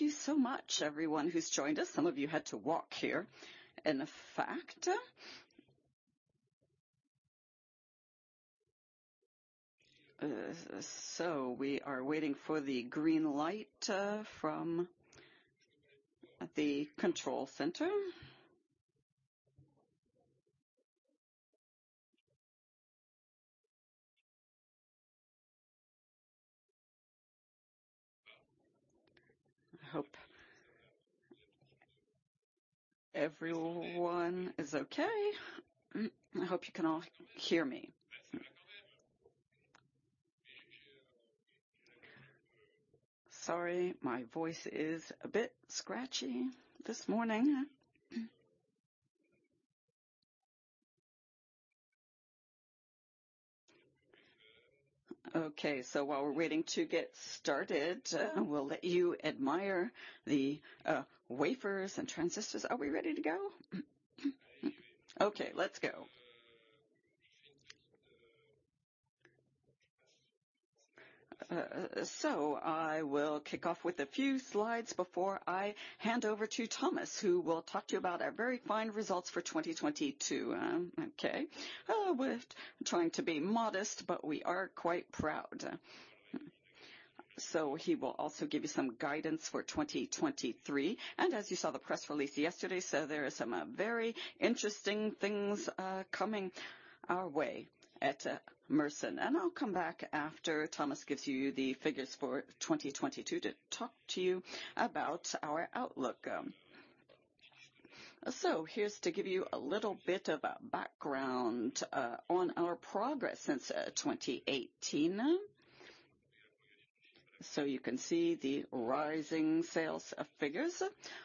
Thank you so much, everyone who's joined us. Some of you had to walk here. In fact, we are waiting for the green light from the control center. I hope everyone is okay. I hope you can all hear me. Sorry, my voice is a bit scratchy this morning. While we're waiting to get started, we'll let you admire the wafers and transistors. Are we ready to go? Okay, let's go. I will kick off with a few slides before I hand over to Thomas, who will talk to you about our very fine results for 2022. We are trying to be modest, but we are quite proud. He will also give you some guidance for 2023. As you saw the press release yesterday, there are some very interesting things coming our way at Mersen. I'll come back after Thomas gives you the figures for 2022 to talk to you about our outlook. Here's to give you a little bit of a background on our progress since 2018. You can see the rising sales figures.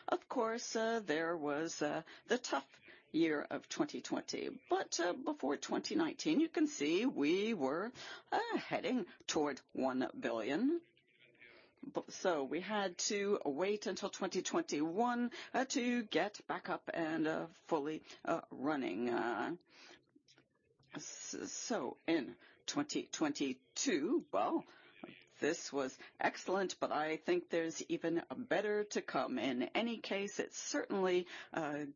Of course, there was the tough year of 2020. Before 2019, you can see we were heading toward 1 billion. We had to wait until 2021 to get back up and fully running. In 2022, this was excellent, but I think there's even better to come. In any case, it certainly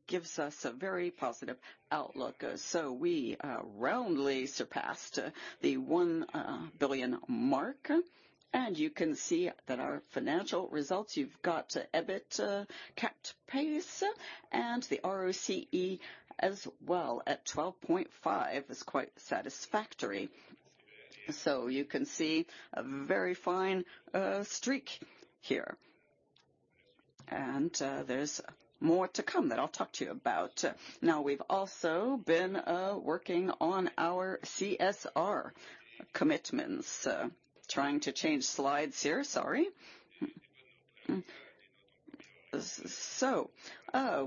gives us a very positive outlook. We roundly surpassed the 1 billion mark. You can see that our financial results, you've got EBIT, CapEx, and the ROCE as well at 12.5% is quite satisfactory. You can see a very fine streak here. There's more to come that I'll talk to you about. Now, we've also been working on our CSR commitments. Trying to change slides here. Sorry.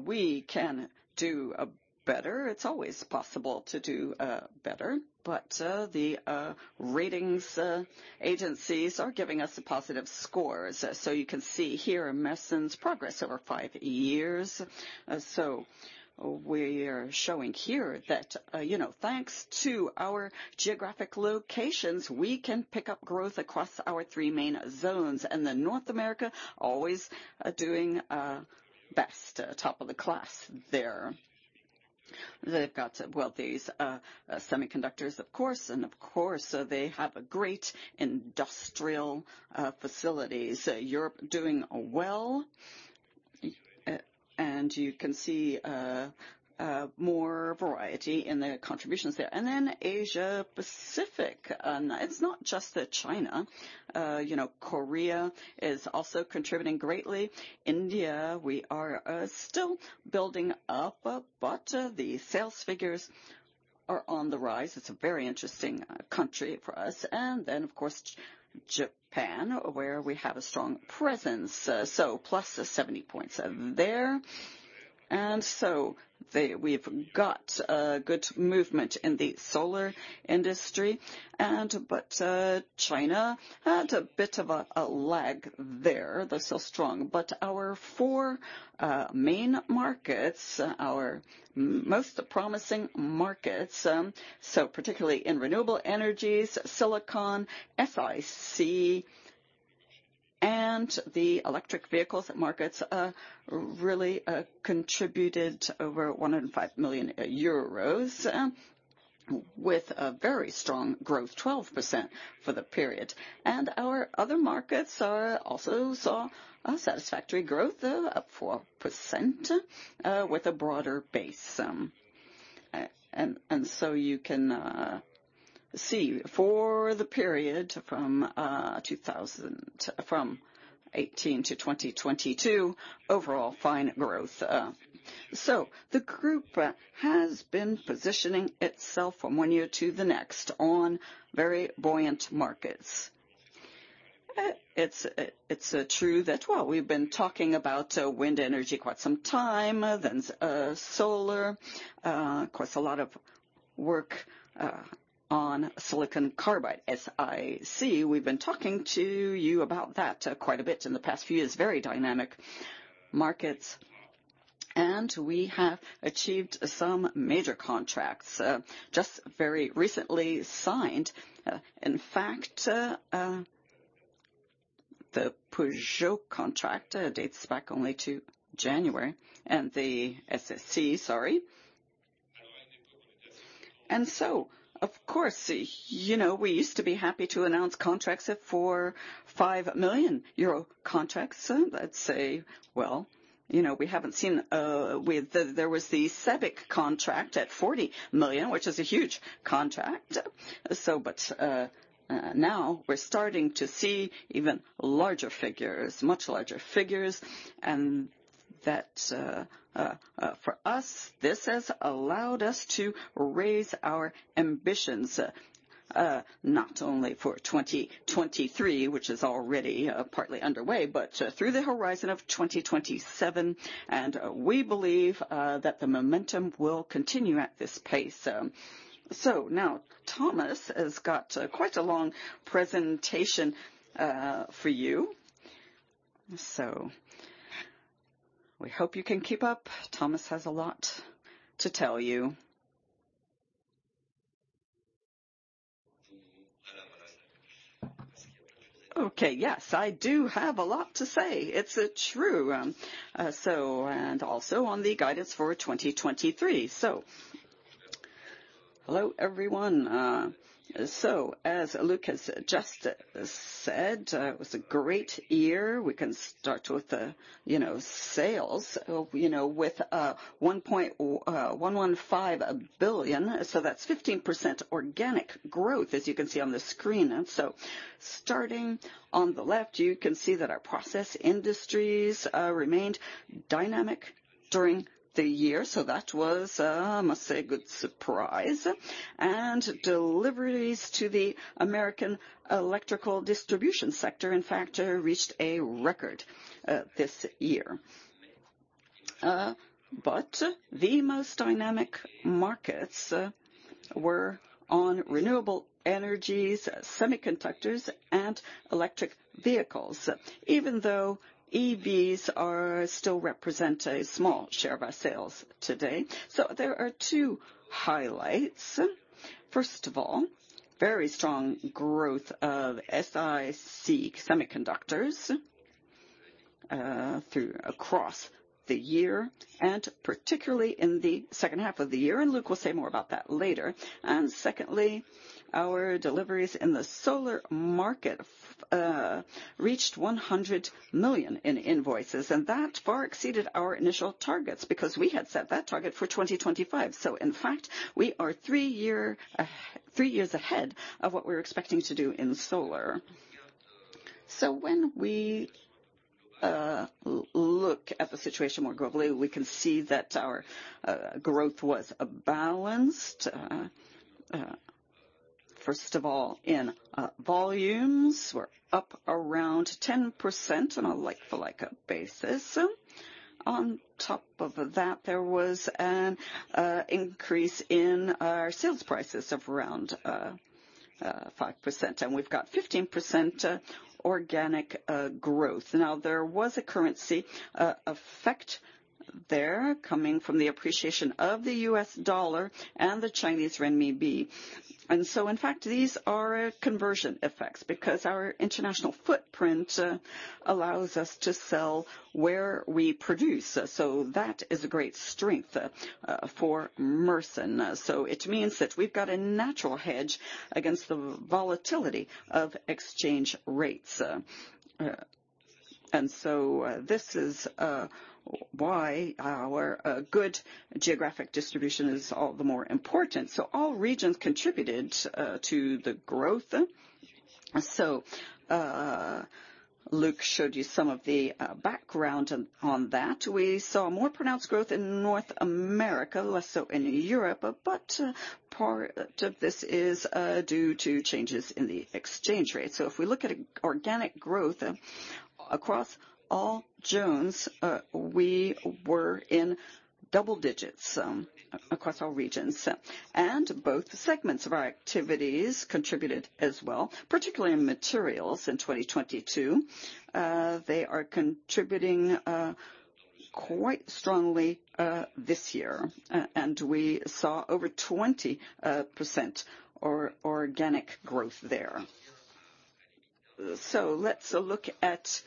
We can do better. It's always possible to do better. The ratings agencies are giving us a positive score. You can see here Mersen's progress over five years. We are showing here that, you know, thanks to our geographic locations, we can pick up growth across our three main zones. North America always doing best, top of the class there. They've got, well, these semiconductors, of course. And of course, they have great industrial facilities. Europe doing well, and you can see more variety in the contributions there. Asia Pacific, it's not just China. You know, Korea is also contributing greatly. India, we are still building up, but the sales figures are on the rise. It's a very interesting country for us. Then, of course, Japan, where we have a strong presence, so plus 70 points there. They, we've got a good movement in the solar industry. China had a bit of a lag there. They're still strong. Our four main markets, our most promising markets, particularly in renewable energies, silicon, SiC, and the electric vehicles markets, really contributed over 105 million euros, with a very strong growth, 12% for the period. Our other markets also saw a satisfactory growth, up 4%, with a broader base. You can see for the period from 2018 to 2022, overall fine growth. The group has been positioning itself from one year to the next on very buoyant markets. It's true that, well, we've been talking about wind energy quite some time, then solar. Of course, a lot of work on silicon carbide, SiC. We've been talking to you about that quite a bit in the past few years. Very dynamic markets. We have achieved some major contracts, just very recently signed. In fact, the Peugeot contract dates back only to January. And the SSC, sorry. Of course, you know, we used to be happy to announce contracts for 5 million euro contracts. Let's say, well, you know, we haven't seen, with, there was the Sebic contract at 40 million, which is a huge contract. Now we're starting to see even larger figures, much larger figures. That, for us, this has allowed us to raise our ambitions, not only for 2023, which is already partly underway, but through the horizon of 2027. We believe that the momentum will continue at this pace. Now Thomas has got quite a long presentation for you. We hope you can keep up. Thomas has a lot to tell you. Okay, yes, I do have a lot to say. It's true. Also on the guidance for 2023. Hello everyone. As Luc has just said, it was a great year. We can start with the sales, you know, with 1.115 billion. That's 15% organic growth, as you can see on the screen. Starting on the left, you can see that our process industries remained dynamic during the year. That was, I must say, a good surprise. Deliveries to the American electrical distribution sector, in fact, reached a record this year. The most dynamic markets were on renewable energies, semiconductors, and electric vehicles, even though EVs still represent a small share of our sales today. There are two highlights. First of all, very strong growth of SiC semiconductors throughout the year, and particularly in the second half of the year. Luc will say more about that later. Secondly, our deliveries in the solar market reached 100 million in invoices. That far exceeded our initial targets because we had set that target for 2025. In fact, we are three years ahead of what we were expecting to do in solar. When we look at the situation more globally, we can see that our growth was balanced. First of all, in volumes, we are up around 10% on a like-for-like basis. On top of that, there was an increase in our sales prices of around 5%. And we've got 15% organic growth. Now, there was a currency effect there coming from the appreciation of the US dollar and the Chinese renminbi. In fact, these are conversion effects because our international footprint allows us to sell where we produce. That is a great strength for Mersen. It means that we've got a natural hedge against the volatility of exchange rates. This is why our good geographic distribution is all the more important. All regions contributed to the growth. Luc showed you some of the background on that. We saw more pronounced growth in North America, less so in Europe. Part of this is due to changes in the exchange rate. If we look at organic growth across all zones, we were in double digits, across all regions. Both segments of our activities contributed as well, particularly in materials in 2022. They are contributing quite strongly this year, and we saw over 20% organic growth there. Let's look at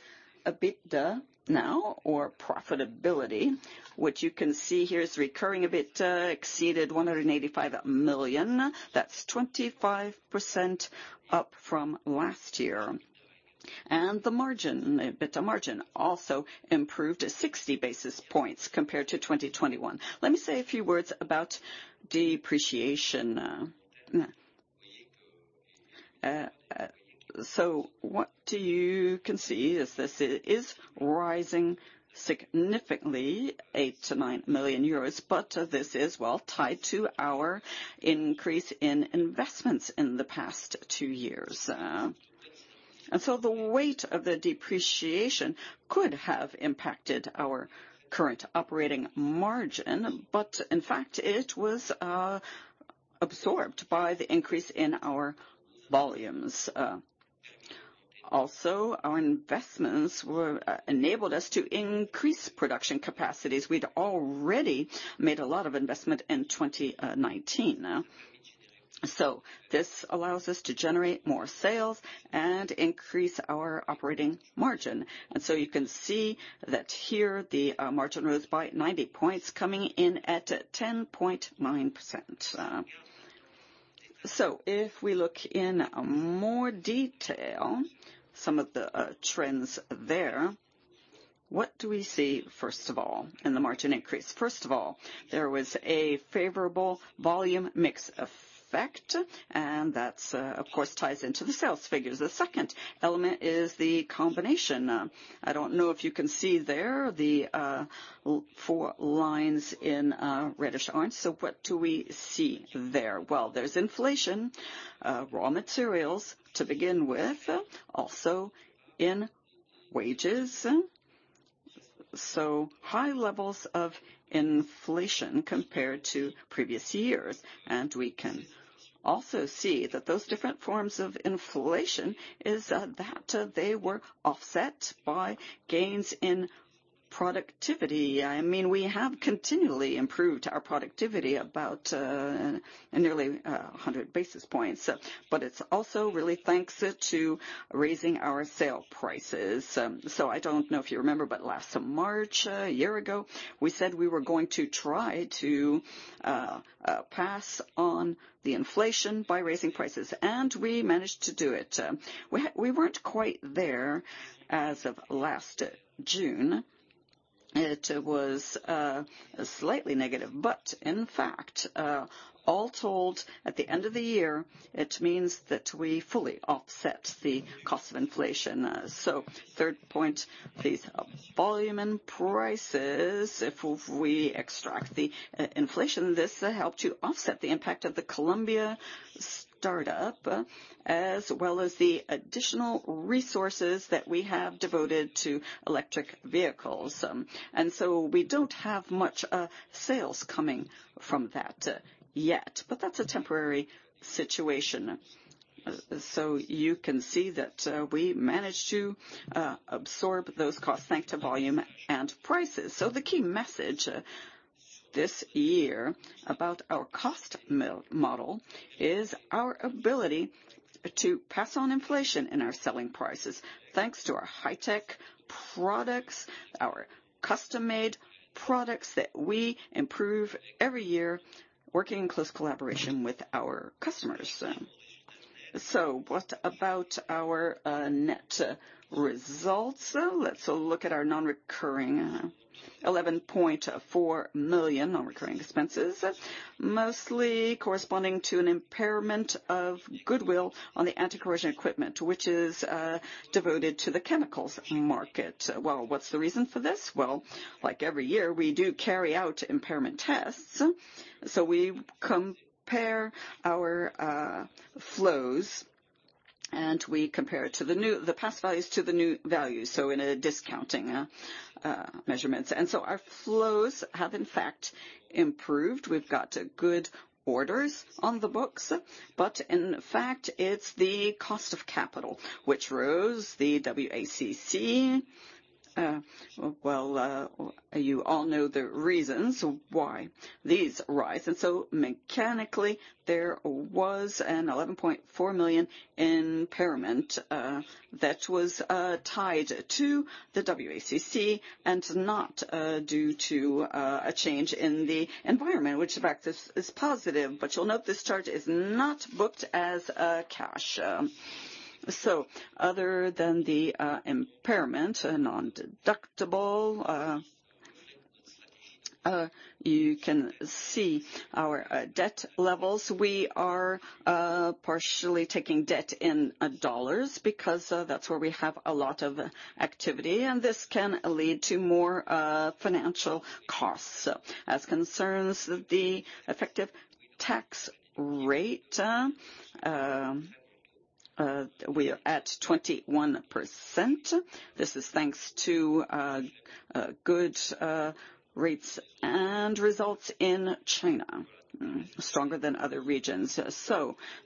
EBITDA now, or profitability, which you can see here is recurring EBITDA exceeded 185 million. That's 25% up from last year. The margin, EBITDA margin, also improved 60 basis points compared to 2021. Let me say a few words about depreciation. What you can see is this is rising significantly, 8-9 million euros. This is, well, tied to our increase in investments in the past two years, and so the weight of the depreciation could have impacted our current operating margin. In fact, it was absorbed by the increase in our volumes. Also, our investments enabled us to increase production capacities. We'd already made a lot of investment in 2019. This allows us to generate more sales and increase our operating margin. You can see that here, the margin rose by 90 points, coming in at 10.9%. If we look in more detail, some of the trends there, what do we see first of all in the margin increase? First of all, there was a favorable volume mix effect. That, of course, ties into the sales figures. The second element is the combination. I don't know if you can see there the four lines in reddish orange. What do we see there? There is inflation, raw materials to begin with, also in wages. High levels of inflation compared to previous years. We can also see that those different forms of inflation were offset by gains in productivity. I mean, we have continually improved our productivity about, nearly, 100 basis points. It is also really thanks to raising our sale prices. I do not know if you remember, but last March, a year ago, we said we were going to try to pass on the inflation by raising prices. We managed to do it. We were not quite there as of last June. It was slightly negative. In fact, all told, at the end of the year, it means that we fully offset the cost of inflation. Third point, these volume and prices, if we extract the inflation, this helped to offset the impact of the Colombia startup, as well as the additional resources that we have devoted to electric vehicles. We do not have much sales coming from that yet. That is a temporary situation. You can see that we managed to absorb those costs thanks to volume and prices. The key message this year about our cost model is our ability to pass on inflation in our selling prices, thanks to our high-tech products, our custom-made products that we improve every year, working in close collaboration with our customers. What about our net results? Let's look at our non-recurring, 11.4 million non-recurring expenses, mostly corresponding to an impairment of goodwill on the anti-corrosion equipment, which is devoted to the chemicals market. What is the reason for this? Like every year, we do carry out impairment tests. We compare our flows, and we compare the past values to the new values in a discounting measurement. Our flows have, in fact, improved. We've got good orders on the books. In fact, it's the cost of capital, which rose the WACC. You all know the reasons why these rise. Mechanically, there was an 11.4 million impairment that was tied to the WACC and not due to a change in the environment, which, in fact, is positive. You'll note this charge is not booked as cash. Other than the impairment, non-deductible, you can see our debt levels. We are partially taking debt in dollars because that's where we have a lot of activity. This can lead to more financial costs. As concerns the effective tax rate, we are at 21%. This is thanks to good rates and results in China, stronger than other regions.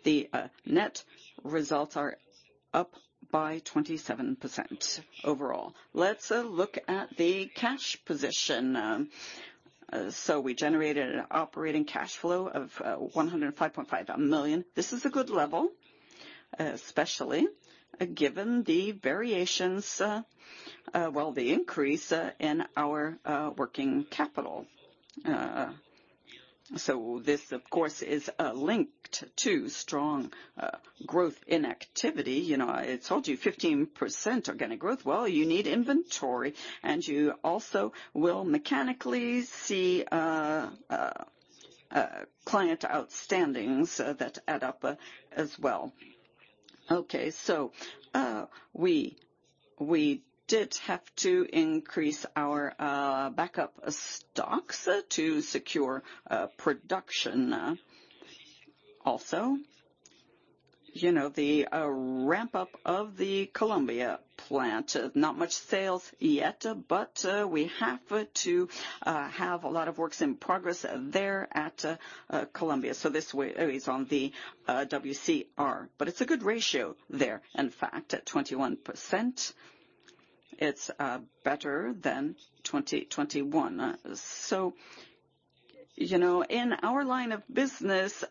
The net results are up by 27% overall. Let's look at the cash position. We generated an operating cash flow of 105.5 million. This is a good level, especially given the variations, well, the increase, in our working capital. This, of course, is linked to strong growth in activity. You know, I told you 15% organic growth. You need inventory. You also will mechanically see client outstandings that add up as well. We did have to increase our backup stocks to secure production also. You know, the ramp-up of the Colombia plant, not much sales yet, but we have to have a lot of works in progress there at Colombia. This weighs on the WCR. It is a good ratio there, in fact, at 21%. It is better than 2021. You know, in our line of business,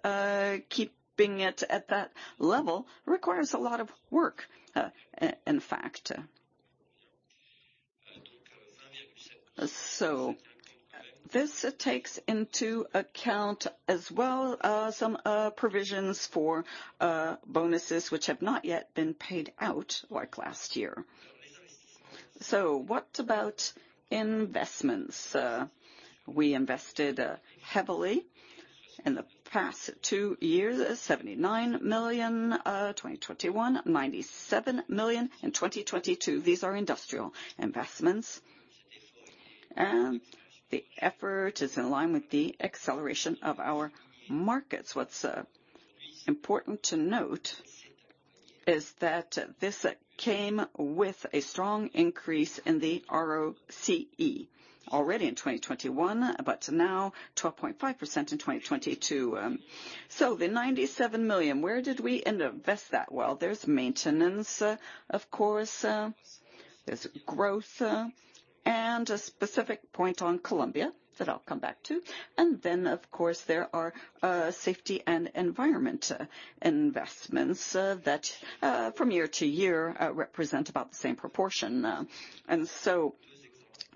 keeping it at that level requires a lot of work, in fact. This takes into account as well, some provisions for bonuses which have not yet been paid out like last year. What about investments? We invested heavily in the past two years, 79 million, 2021, 97 million, in 2022. These are industrial investments. The effort is in line with the acceleration of our markets. What's important to note is that this came with a strong increase in the ROCE already in 2021, but now 12.5% in 2022. The 97 million, where did we invest that? There's maintenance, of course. There's growth, and a specific point on Colombia that I'll come back to. Then, of course, there are safety and environment investments that, from year to year, represent about the same proportion.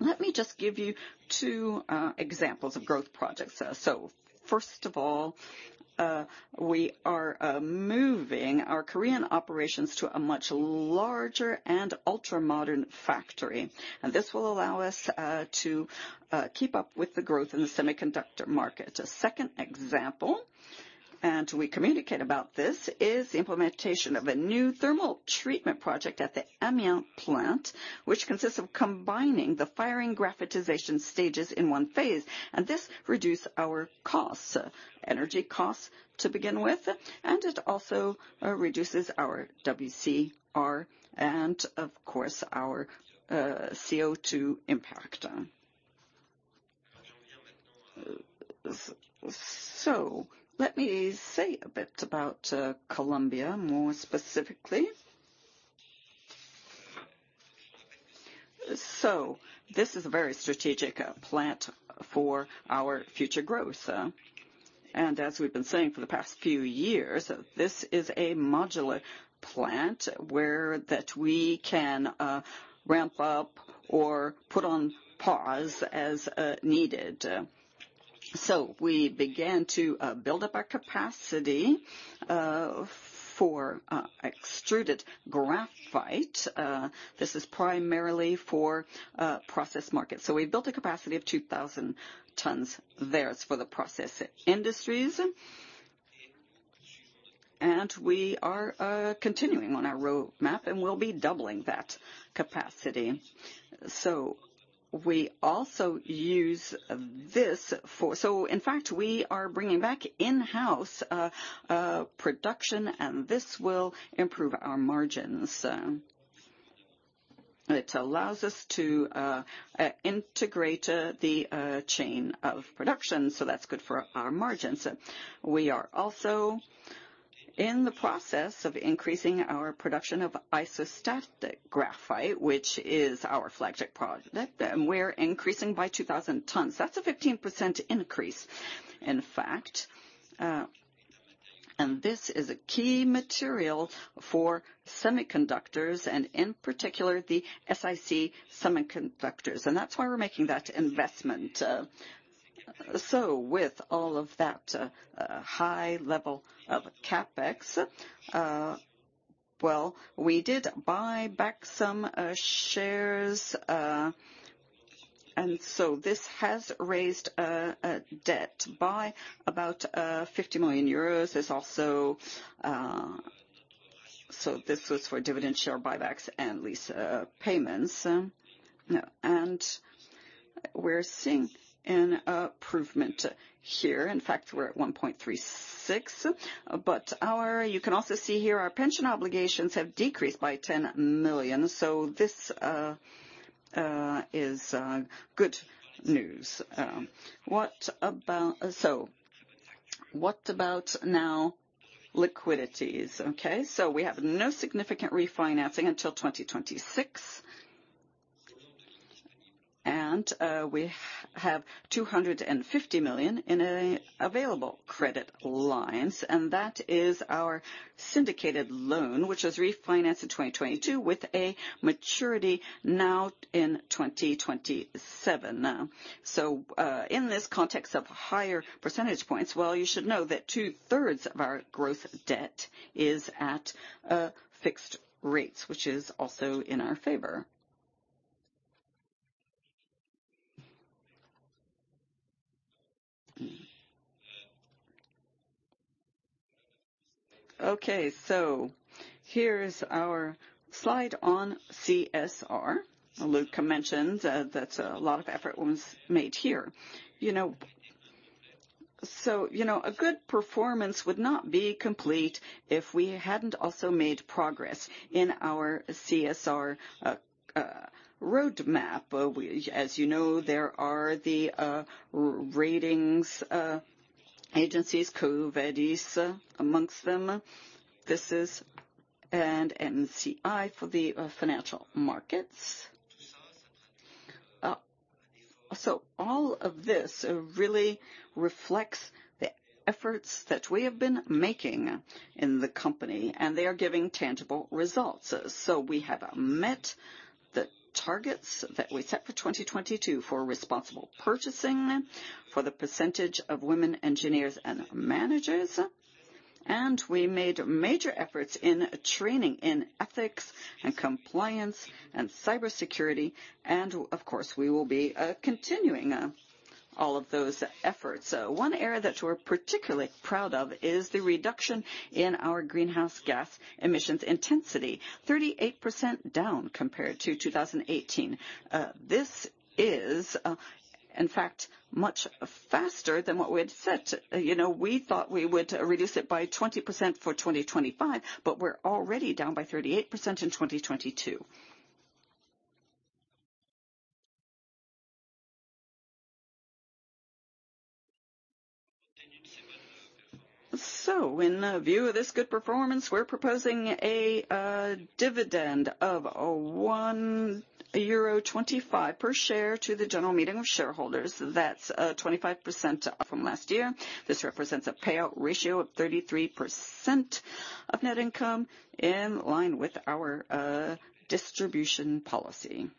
Let me just give you two examples of growth projects. First of all, we are moving our Korean operations to a much larger and ultra-modern factory. This will allow us to keep up with the growth in the semiconductor market. A second example, and we communicate about this, is the implementation of a new thermal treatment project at the Amiens plant, which consists of combining the firing graphitization stages in one phase. This reduced our costs, energy costs to begin with. It also reduces our WCR and, of course, our CO2 impact. Let me say a bit about Colombia more specifically. This is a very strategic plant for our future growth, and as we've been saying for the past few years, this is a modular plant that we can ramp up or put on pause as needed. We began to build up our capacity for extruded graphite. This is primarily for process markets. So we built a capacity of 2,000 tons there for the process industries. And we are continuing on our roadmap and will be doubling that capacity. So we also use this for, so in fact, we are bringing back in-house production, and this will improve our margins. It allows us to integrate the chain of production. So that's good for our margins. We are also in the process of increasing our production of isostatic graphite, which is our flagship product. And we're increasing by 2,000 tons. That's a 15% increase, in fact. And this is a key material for semiconductors and, in particular, the SiC semiconductors. And that's why we're making that investment. With all of that, high level of CapEx, we did buy back some shares, and this has raised debt by about 50 million euros. There's also, so this was for dividend share buybacks and lease payments. We're seeing an improvement here. In fact, we're at 1.36. You can also see here, our pension obligations have decreased by 10 million. This is good news. What about, so what about now liquidities? Okay. We have no significant refinancing until 2026. We have 250 million in available credit lines. That is our syndicated loan, which was refinanced in 2022 with a maturity now in 2027. In this context of higher percentage points, you should know that two-thirds of our gross debt is at fixed rates, which is also in our favor. Here's our slide on CSR. Luc mentioned, that's a lot of effort was made here. You know, a good performance would not be complete if we hadn't also made progress in our CSR roadmap. As you know, there are the ratings agencies, Covadis amongst them. This is, and MCI for the financial markets. All of this really reflects the efforts that we have been making in the company. They are giving tangible results. We have met the targets that we set for 2022 for responsible purchasing, for the percentage of women engineers and managers. We made major efforts in training in ethics and compliance and cybersecurity. Of course, we will be continuing all of those efforts. One area that we're particularly proud of is the reduction in our greenhouse gas emissions intensity, 38% down compared to 2018. This is, in fact, much faster than what we had set. You know, we thought we would reduce it by 20% for 2025, but we're already down by 38% in 2022. In view of this good performance, we're proposing a dividend of 1.25 euro per share to the general meeting of shareholders. That's a 25% from last year. This represents a payout ratio of 33% of net income in line with our distribution policy.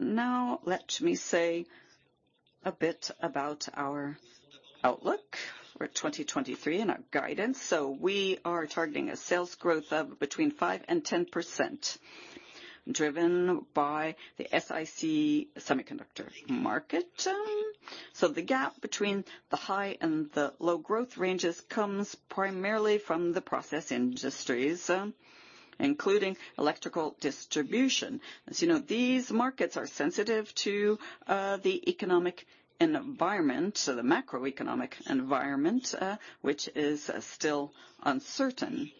Now let me say a bit about our outlook for 2023 and our guidance. We are targeting a sales growth of between 5-10%, driven by the SiC semiconductor market. The gap between the high and the low growth ranges comes primarily from the process industries, including electrical distribution. As you know, these markets are sensitive to the economic environment, so the macroeconomic environment, which is still uncertain.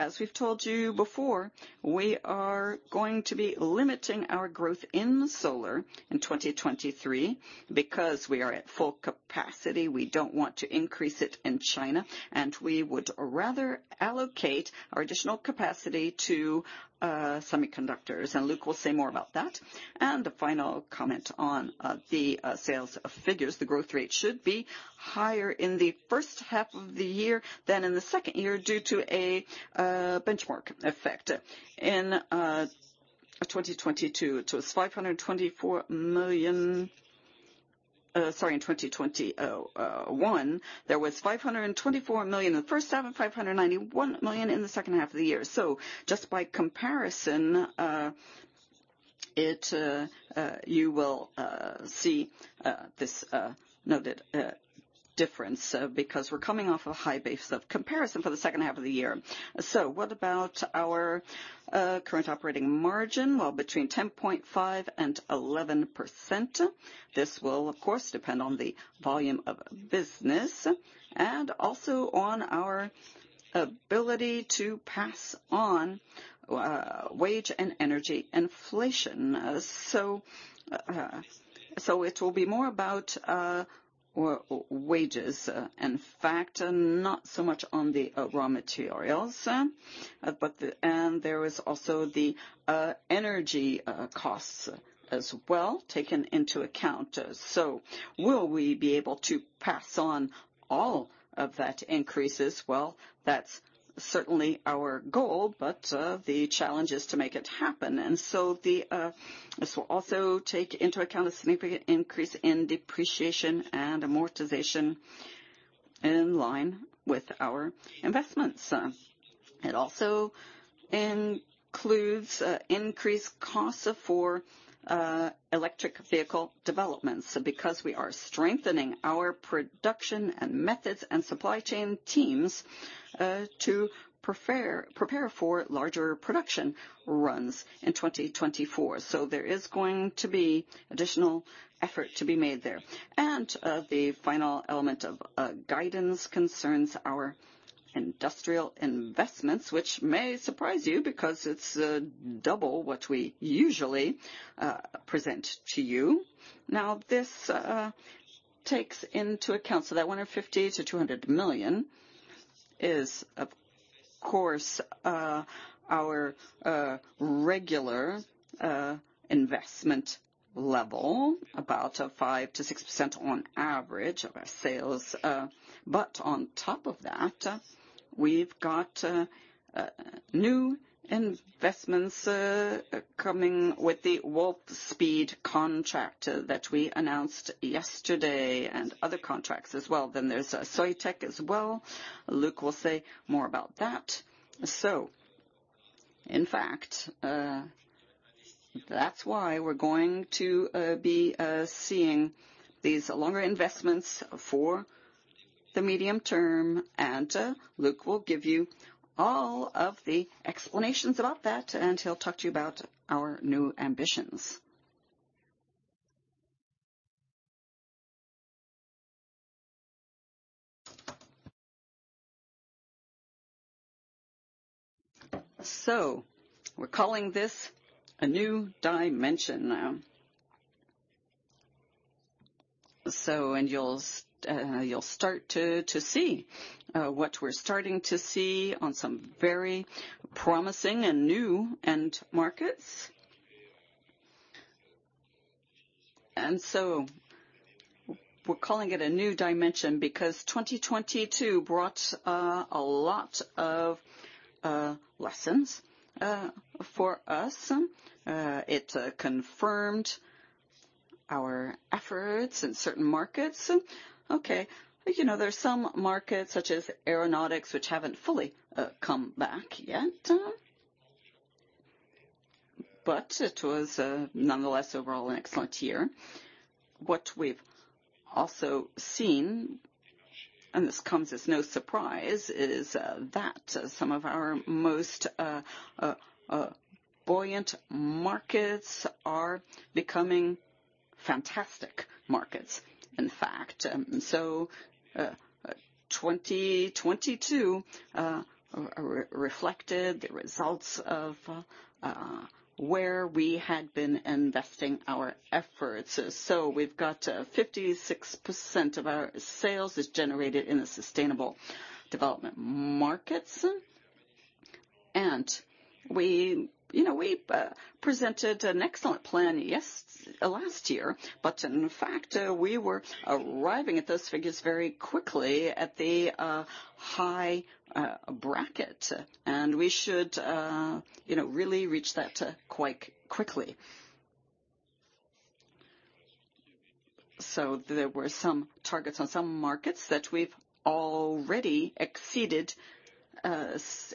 As we've told you before, we are going to be limiting our growth in solar in 2023 because we are at full capacity. We do not want to increase it in China. We would rather allocate our additional capacity to semiconductors. Luc will say more about that. A final comment on the sales figures. The growth rate should be higher in the first half of the year than in the second half due to a benchmark effect. In 2022, it was 524 million. Sorry, in 2021, there was 524 million in the first half and 591 million in the second half of the year. Just by comparison, you will see this noted difference because we are coming off a high base of comparison for the second half of the year. What about our current operating margin? Between 10.5%-11%. This will, of course, depend on the volume of business and also on our ability to pass on wage and energy inflation. It will be more about wages, in fact, not so much on the raw materials. There is also the energy costs as well taken into account. Will we be able to pass on all of that increases? That's certainly our goal, but the challenge is to make it happen. This will also take into account a significant increase in depreciation and amortization in line with our investments. It also includes increased costs for electric vehicle developments because we are strengthening our production and methods and supply chain teams to prepare for larger production runs in 2024. There is going to be additional effort to be made there. The final element of guidance concerns our industrial investments, which may surprise you because it is double what we usually present to you. This takes into account that 150 million-200 million is, of course, our regular investment level, about 5%-6% on average of our sales. On top of that, we have new investments coming with the Wolfspeed contract that we announced yesterday and other contracts as well. There is Soitec as well. Luc will say more about that. In fact, that is why we are going to be seeing these longer investments for the medium term. Luc will give you all of the explanations about that, and he will talk to you about our new ambitions. We are calling this a new dimension. You'll start to see what we're starting to see on some very promising and new end markets. We're calling it a new dimension because 2022 brought a lot of lessons for us. It confirmed our efforts in certain markets. You know, there are some markets such as aeronautics, which haven't fully come back yet. It was, nonetheless, overall an excellent year. What we've also seen, and this comes as no surprise, is that some of our most buoyant markets are becoming fantastic markets, in fact. 2022 reflected the results of where we had been investing our efforts. We've got 56% of our sales generated in the sustainable development markets. We presented an excellent plan last year. In fact, we were arriving at those figures very quickly at the high bracket. We should, you know, really reach that quite quickly. There were some targets on some markets that we've already exceeded, as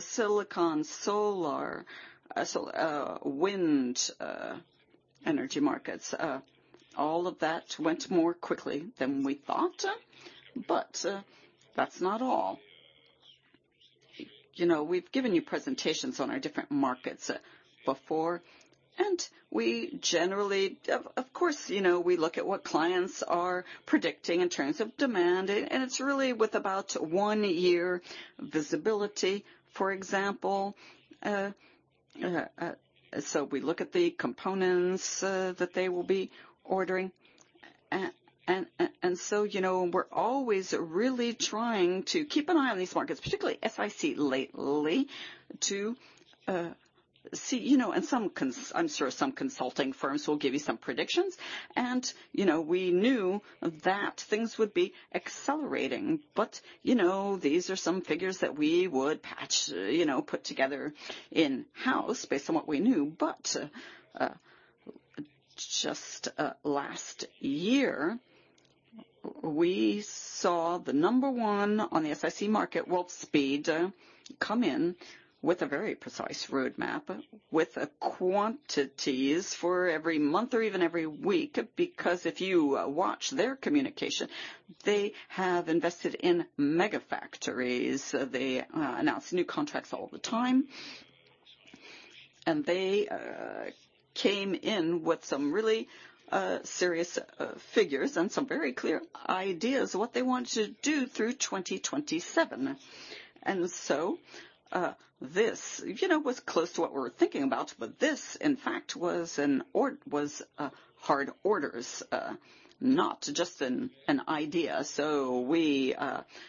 silicon, solar, wind, energy markets. All of that went more quickly than we thought. That's not all. You know, we've given you presentations on our different markets before. We generally, of course, you know, look at what clients are predicting in terms of demand. It's really with about one year visibility, for example. We look at the components that they will be ordering. You know, we're always really trying to keep an eye on these markets, particularly SiC lately, to see, you know, and some consulting firms will give you some predictions. You know, we knew that things would be accelerating. But, you know, these are some figures that we would patch, you know, put together in-house based on what we knew. Just last year, we saw the number one on the SiC market, Wolfspeed, come in with a very precise roadmap with quantities for every month or even every week. Because if you watch their communication, they have invested in mega factories. They announce new contracts all the time. They came in with some really serious figures and some very clear ideas of what they want to do through 2027. This, you know, was close to what we were thinking about. This, in fact, was hard orders, not just an idea. We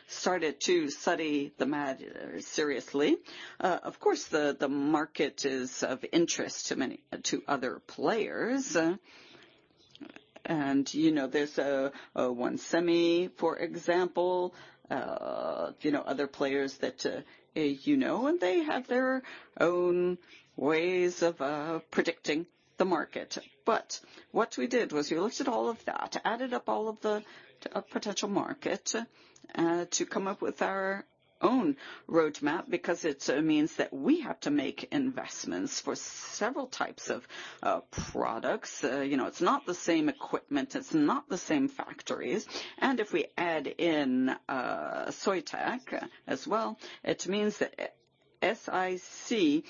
started to study the matter seriously. Of course, the market is of interest to many, to other players. And, you know, there's a, a ON Semiconductor, for example, you know, other players that, you know, and they have their own ways of predicting the market. What we did was we looked at all of that, added up all of the potential market to come up with our own roadmap because it means that we have to make investments for several types of products. You know, it's not the same equipment. It's not the same factories. And if we add in Soitec as well, it means that SiC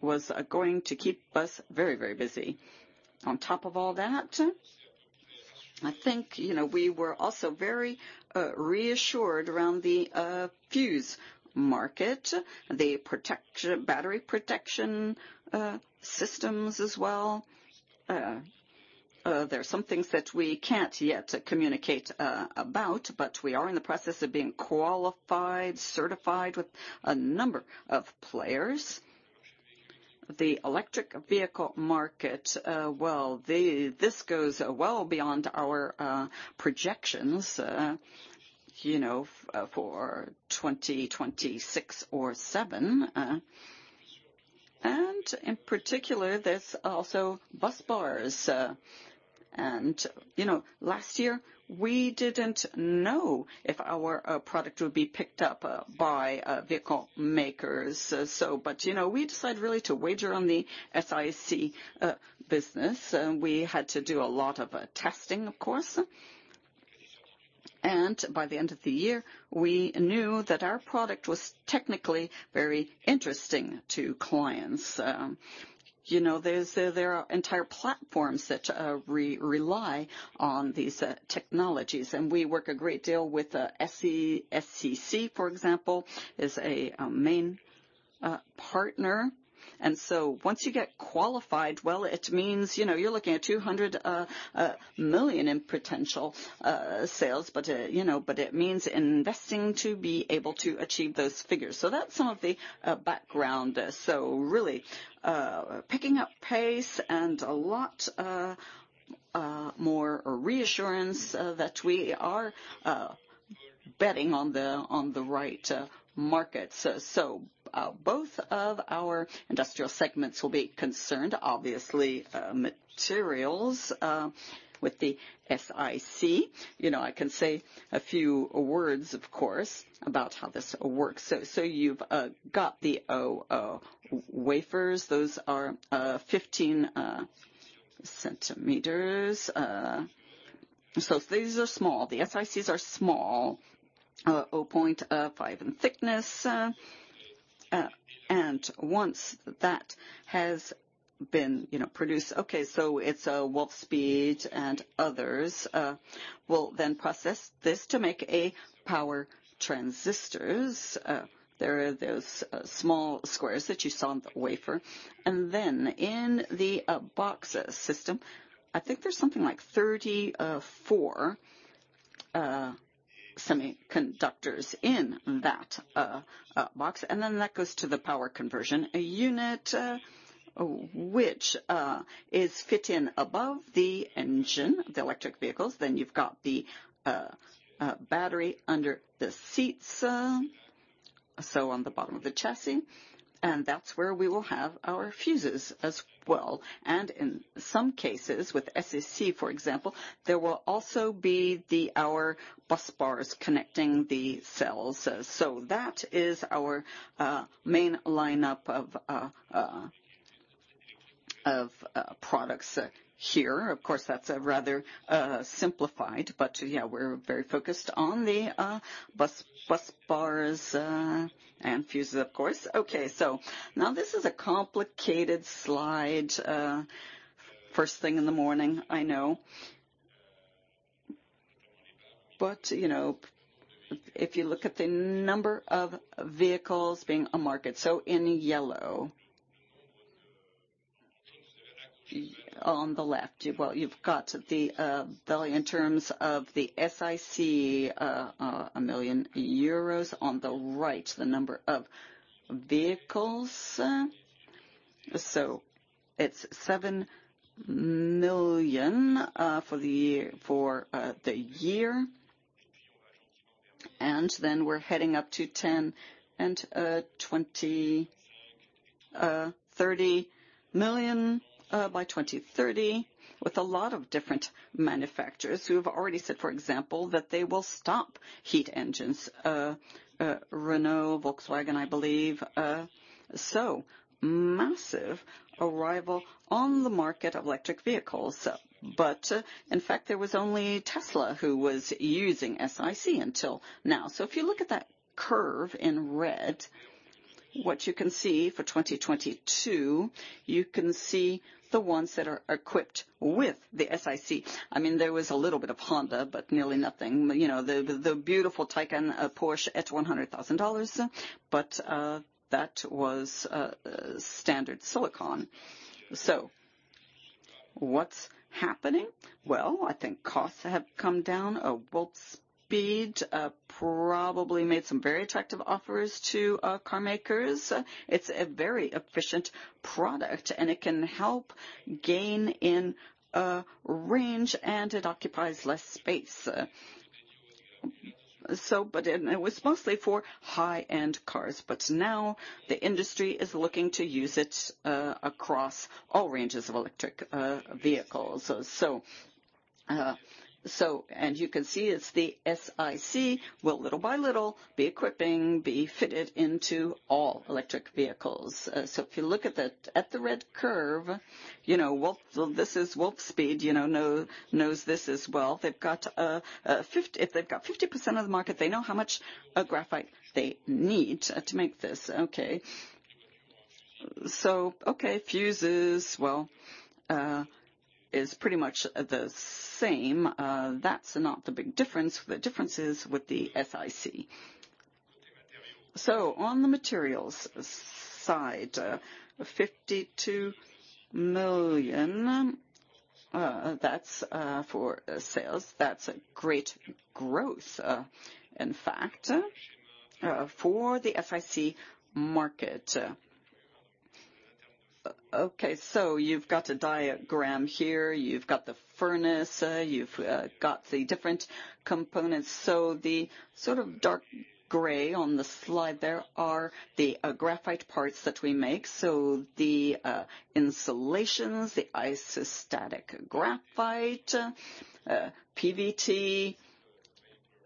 was going to keep us very, very busy. On top of all that, I think, you know, we were also very reassured around the fuse market, the protection, battery protection systems as well. There are some things that we can't yet communicate about, but we are in the process of being qualified, certified with a number of players. The electric vehicle market, this goes well beyond our projections, you know, for 2026 or 2027. In particular, there's also bus bars. You know, last year, we didn't know if our product would be picked up by vehicle makers. You know, we decided really to wager on the SiC business. We had to do a lot of testing, of course. By the end of the year, we knew that our product was technically very interesting to clients. You know, there are entire platforms that rely on these technologies. We work a great deal with ST, for example, which is a main partner. Once you get qualified, it means, you know, you're looking at $200 million in potential sales. You know, it means investing to be able to achieve those figures. That's some of the background. Really, picking up pace and a lot more reassurance that we are betting on the right markets. Both of our industrial segments will be concerned, obviously, materials with the SiC. You know, I can say a few words, of course, about how this works. You've got the wafers. Those are 15 centimeters. These are small. The SiCs are small, 0.5 in thickness. Once that has been produced, WolfSpeed and others will then process this to make power transistors. There are those small squares that you saw in the wafer. In the box system, I think there's something like 34 semiconductors in that box. That goes to the power conversion unit, which is fitting above the engine of the electric vehicles. You have the battery under the seats, on the bottom of the chassis. That is where we will have our fuses as well. In some cases with SiC, for example, there will also be our bus bars connecting the cells. That is our main lineup of products here. Of course, that is rather simplified. Yeah, we are very focused on the bus bars and fuses, of course. Okay. This is a complicated slide, first thing in the morning, I know. You know, if you look at the number of vehicles being a market, in yellow on the left, you have the value in terms of the SiC, million euros. On the right, the number of vehicles. It is 7 million for the year, for the year. We're heading up to 10, 20, 30 million by 2030 with a lot of different manufacturers who have already said, for example, that they will stop heat engines. Renault, Volkswagen, I believe, so massive arrival on the market of electric vehicles. In fact, there was only Tesla who was using SiC until now. If you look at that curve in red, what you can see for 2022, you can see the ones that are equipped with the SiC. I mean, there was a little bit of Honda, but nearly nothing. You know, the beautiful Taycan, Porsche at $100,000. That was standard silicon. What's happening? I think costs have come down. Wolfspeed probably made some very attractive offers to car makers. It's a very efficient product, and it can help gain in range, and it occupies less space. It was mostly for high-end cars. Now the industry is looking to use it across all ranges of electric vehicles. You can see the SiC will little by little be equipping, be fitted into all electric vehicles. If you look at the red curve, you know, Wolfspeed knows this as well. They've got 50%, if they've got 50% of the market, they know how much graphite they need to make this. Fuses is pretty much the same. That's not the big difference. The difference is with the SiC. On the materials side, 52 million, that's for sales. That's a great growth, in fact, for the SiC market. You have a diagram here. You have the furnace. You have the different components. The sort of dark gray on the slide, there are the graphite parts that we make. The insulations, the isostatic graphite, PVT,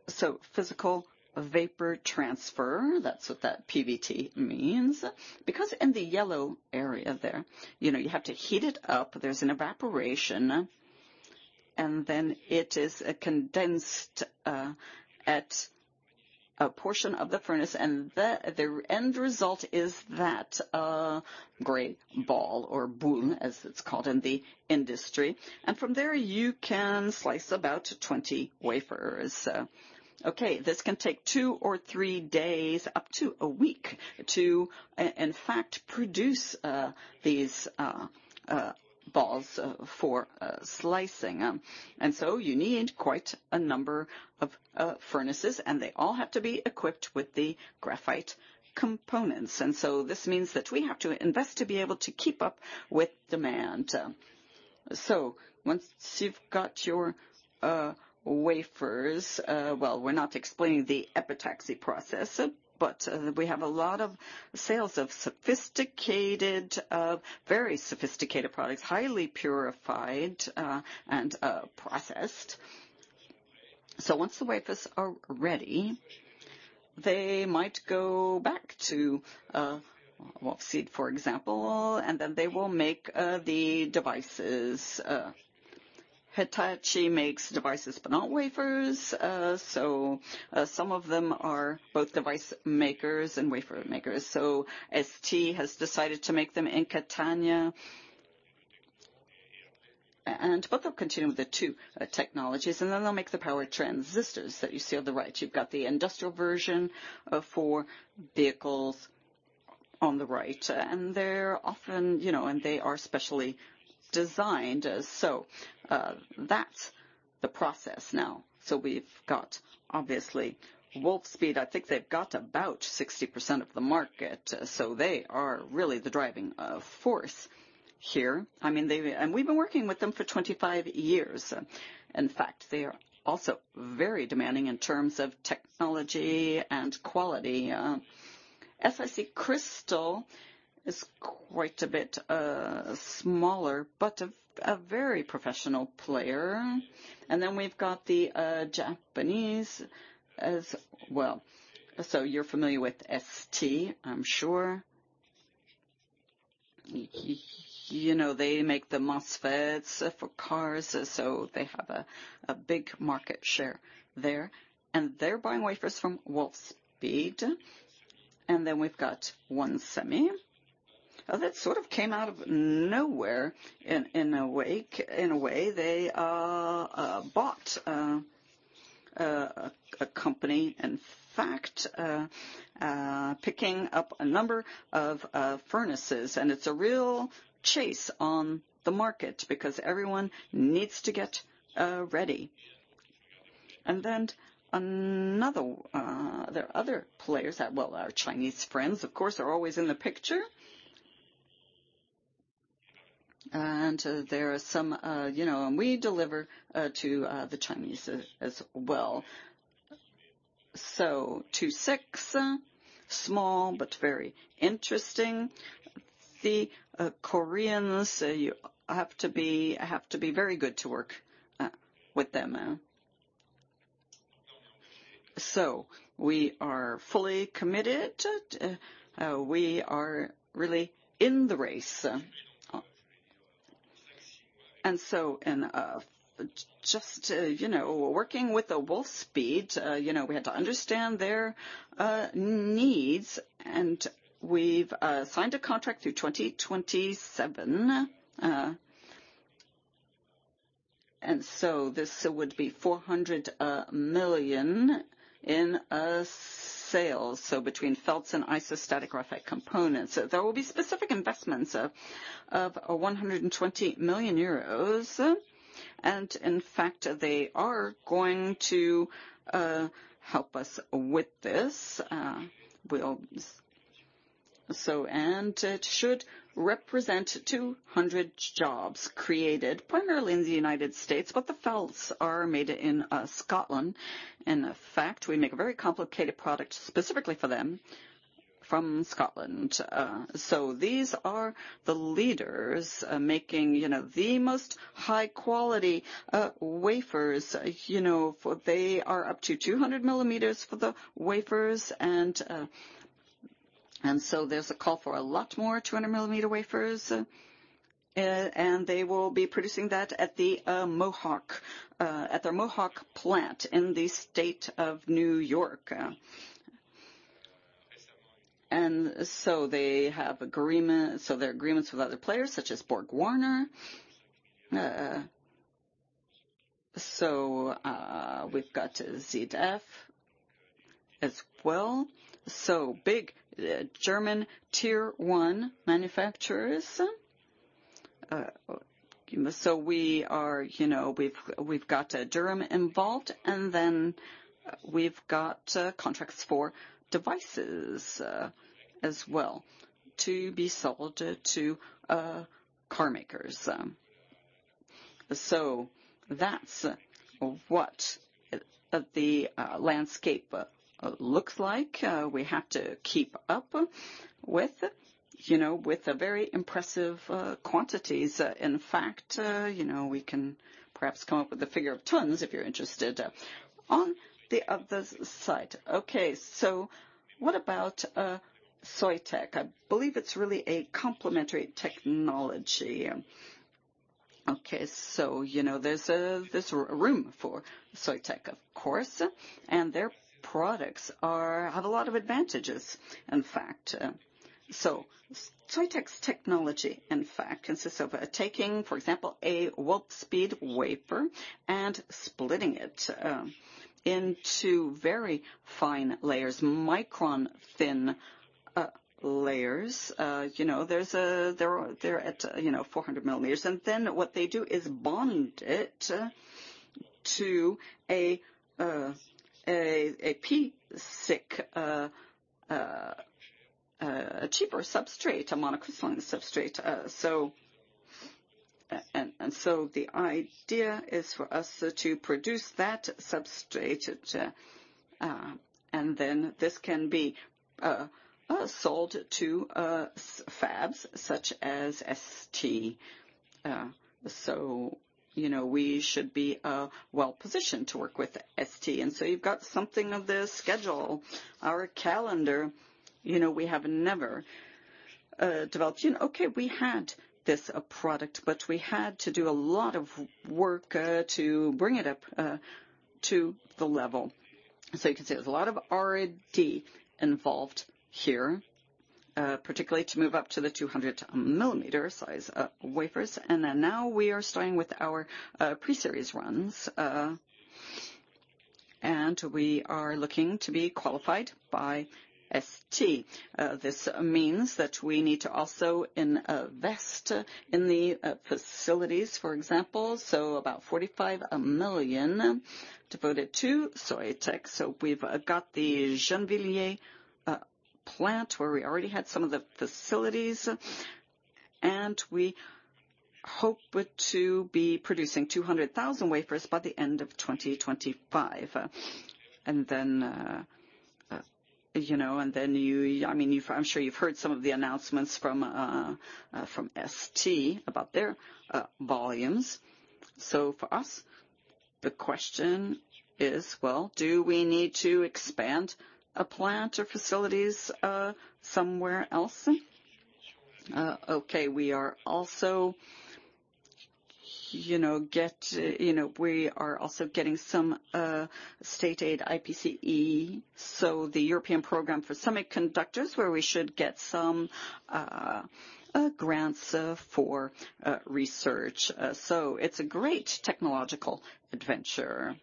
so physical vapor transport, that's what that PVT means. Because in the yellow area there, you know, you have to heat it up. There's an evaporation, and then it is condensed at a portion of the furnace. The end result is that gray ball or boule, as it's called in the industry. From there, you can slice about 20 wafers. This can take two or three days, up to a week, to, in fact, produce these balls for slicing. You need quite a number of furnaces, and they all have to be equipped with the graphite components. This means that we have to invest to be able to keep up with demand. Once you've got your wafers, we're not explaining the epitaxy process. We have a lot of sales of sophisticated, very sophisticated products, highly purified, and processed. Once the wafers are ready, they might go back to Wolfspeed, for example. They will make the devices. Hitachi makes devices, but not wafers. Some of them are both device makers and wafer makers. ST has decided to make them in Catania, but they'll continue with the two technologies. They will make the power transistors that you see on the right. You've got the industrial version for vehicles on the right. They're often, you know, and they are specially designed. That's the process now. We've got, obviously, Wolfspeed. I think they've got about 60% of the market. They are really the driving force here. I mean, they, and we've been working with them for 25 years. In fact, they are also very demanding in terms of technology and quality. SiCrystal is quite a bit smaller, but a very professional player. Then we've got the Japanese as well. You are familiar with ST, I'm sure. You know, they make the MOSFETs for cars. They have a big market share there. They are buying wafers from Wolfspeed. Then we've got ON Semiconductor. That sort of came out of nowhere, in a way. They bought a company, in fact, picking up a number of furnaces. It is a real chase on the market because everyone needs to get ready. There are other players that, well, our Chinese friends, of course, are always in the picture. There are some, you know, and we deliver to the Chinese as well. Two six, small, but very interesting. The Koreans, you have to be, have to be very good to work with them. We are fully committed. We are really in the race. Just, you know, working with Wolfspeed, you know, we had to understand their needs. We have signed a contract through 2027. This would be $400 million in sales, so between felts and isostatic graphite components. There will be specific investments of 120 million euros. In fact, they are going to help us with this. It should represent 200 jobs created primarily in the United States. The felts are made in Scotland. In fact, we make a very complicated product specifically for them from Scotland. These are the leaders, making, you know, the most high-quality wafers. You know, they are up to 200 millimeters for the wafers. There is a call for a lot more 200-millimeter wafers. They will be producing that at the Mohawk plant in the state of New York. They have agreements, so their agreements with other players such as BorgWarner. We have ZF as well. Big German tier one manufacturers. We are, you know, we've got Durham involved. Then we've got contracts for devices as well to be sold to car makers. That is what the landscape looks like. We have to keep up with, you know, with the very impressive quantities. In fact, you know, we can perhaps come up with the figure of tons if you're interested. On the other side. Okay. What about Soitec? I believe it's really a complementary technology. Okay. You know, there's room for Soitec, of course. And their products have a lot of advantages, in fact. So Soitec's technology, in fact, consists of taking, for example, a Wolfspeed wafer and splitting it into very fine layers, micron-thin layers. You know, they're at, you know, 400 millimeters. What they do is bond it to a P-SiC, a cheaper substrate, a monocrystalline substrate. The idea is for us to produce that substrate. This can be sold to fabs such as ST. You know, we should be well-positioned to work with ST. You've got something of the schedule, our calendar. You know, we have never developed, you know, okay, we had this product, but we had to do a lot of work to bring it up to the level. You can see there's a lot of R&D involved here, particularly to move up to the 200-millimeter size wafers. Now we are starting with our pre-series runs, and we are looking to be qualified by ST. This means that we need to also invest in the facilities, for example. About 45 million devoted to Soitec. We have the Gennevilliers plant where we already had some of the facilities. We hope to be producing 200,000 wafers by the end of 2025. You know, I'm sure you've heard some of the announcements from ST about their volumes. For us, the question is, do we need to expand a plant or facilities somewhere else? Okay. We are also, you know, we are also getting some state-aid IPCE. The European Program for Semiconductors, where we should get some grants for research. It is a great technological adventure.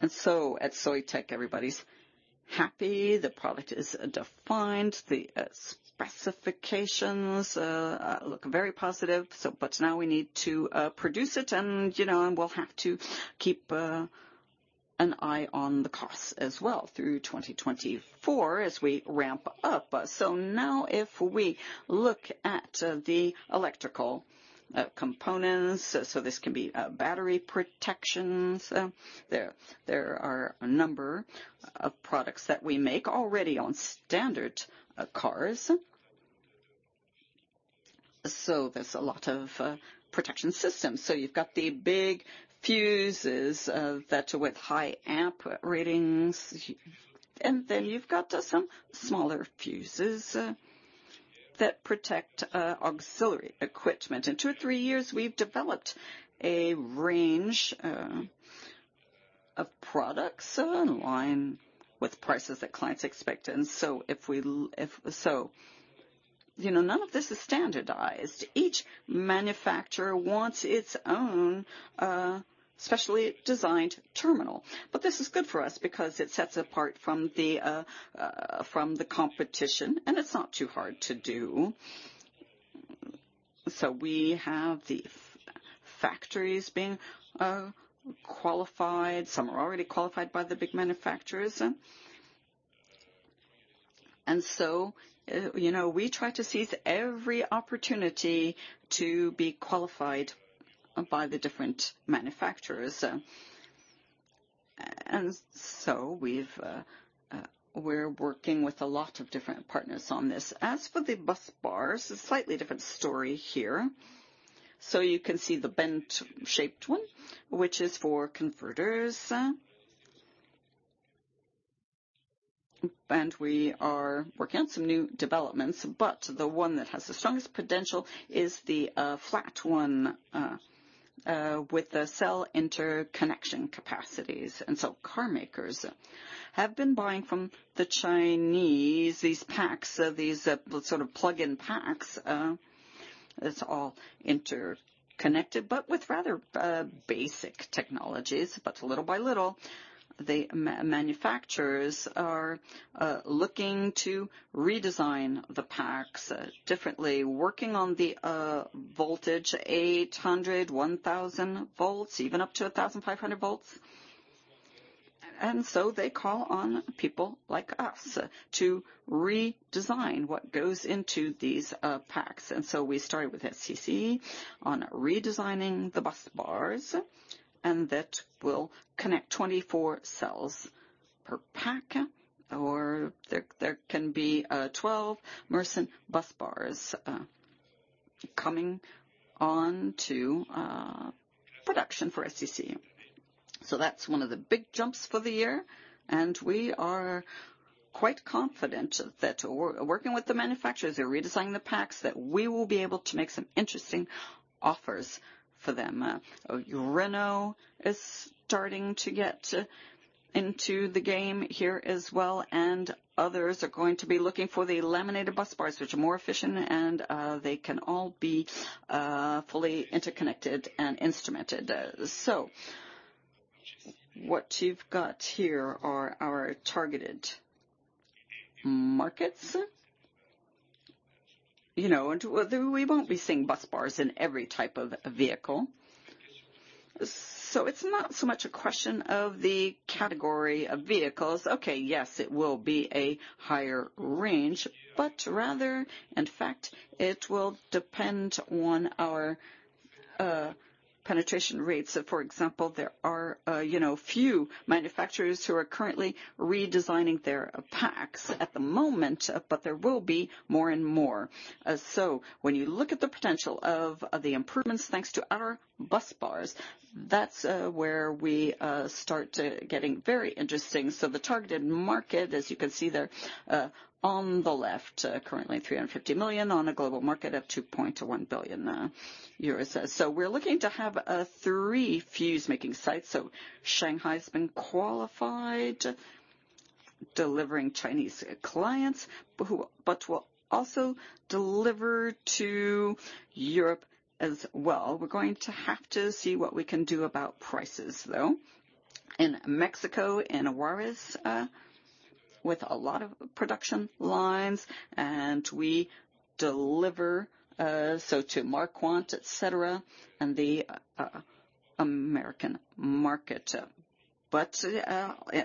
At Soitec, everybody is happy. The product is defined. The specifications look very positive. Now we need to produce it. You know, we will have to keep an eye on the costs as well through 2024 as we ramp up. Now if we look at the electrical components, this can be battery protections. There are a number of products that we make already on standard cars. There is a lot of protection systems. You have got the big fuses that are with high amp ratings. Then you have some smaller fuses that protect auxiliary equipment. In two or three years, we have developed a range of products in line with prices that clients expect. If so, you know, none of this is standardized. Each manufacturer wants its own specially designed terminal. This is good for us because it sets us apart from the competition, and it is not too hard to do. We have the factories being qualified. Some are already qualified by the big manufacturers. You know, we try to seize every opportunity to be qualified by the different manufacturers. We are working with a lot of different partners on this. As for the bus bars, it is a slightly different story here. You can see the bent-shaped one, which is for converters. We are working on some new developments. The one that has the strongest potential is the flat one, with the cell interconnection capacities. Car makers have been buying from the Chinese these packs, these sort of plug-in packs. It's all interconnected, but with rather basic technologies. Little by little, the manufacturers are looking to redesign the packs differently, working on the voltage 800, 1,000 volts, even up to 1,500 volts. They call on people like us to redesign what goes into these packs. We started with ST on redesigning the bus bars. That will connect 24 cells per pack. Or there can be a 12-Mersen bus bars coming on to production for ST. That's one of the big jumps for the year. We are quite confident that working with the manufacturers who are redesigning the packs, we will be able to make some interesting offers for them. Renault is starting to get into the game here as well. Others are going to be looking for the laminated bus bars, which are more efficient. They can all be fully interconnected and instrumented. What you have here are our targeted markets. You know, we will not be seeing bus bars in every type of vehicle. It is not so much a question of the category of vehicles. Yes, it will be a higher range. Rather, in fact, it will depend on our penetration rates. For example, there are a few manufacturers who are currently redesigning their packs at the moment. There will be more and more. When you look at the potential of the improvements thanks to our bus bars, that's where we start getting very interesting. The targeted market, as you can see there on the left, currently 350 million on a global market of 2.1 billion euros. We're looking to have a three-fuse making site. Shanghai's been qualified, delivering Chinese clients who will, but will also deliver to Europe as well. We're going to have to see what we can do about prices, though. In Mexico, in Juarez, with a lot of production lines. We deliver to Marquardt, etc., and the American market.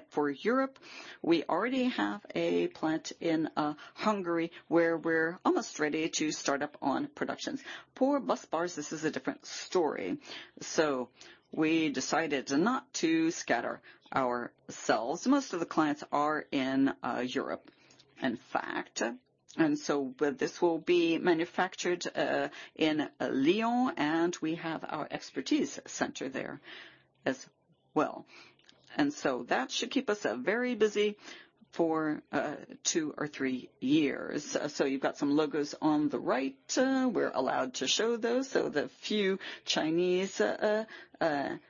For Europe, we already have a plant in Hungary where we're almost ready to start up on productions. For bus bars, this is a different story. We decided not to scatter ourselves. Most of the clients are in Europe, in fact. This will be manufactured in Lyon. We have our expertise center there as well. That should keep us very busy for two or three years. You have some logos on the right. We are allowed to show those. The few Chinese,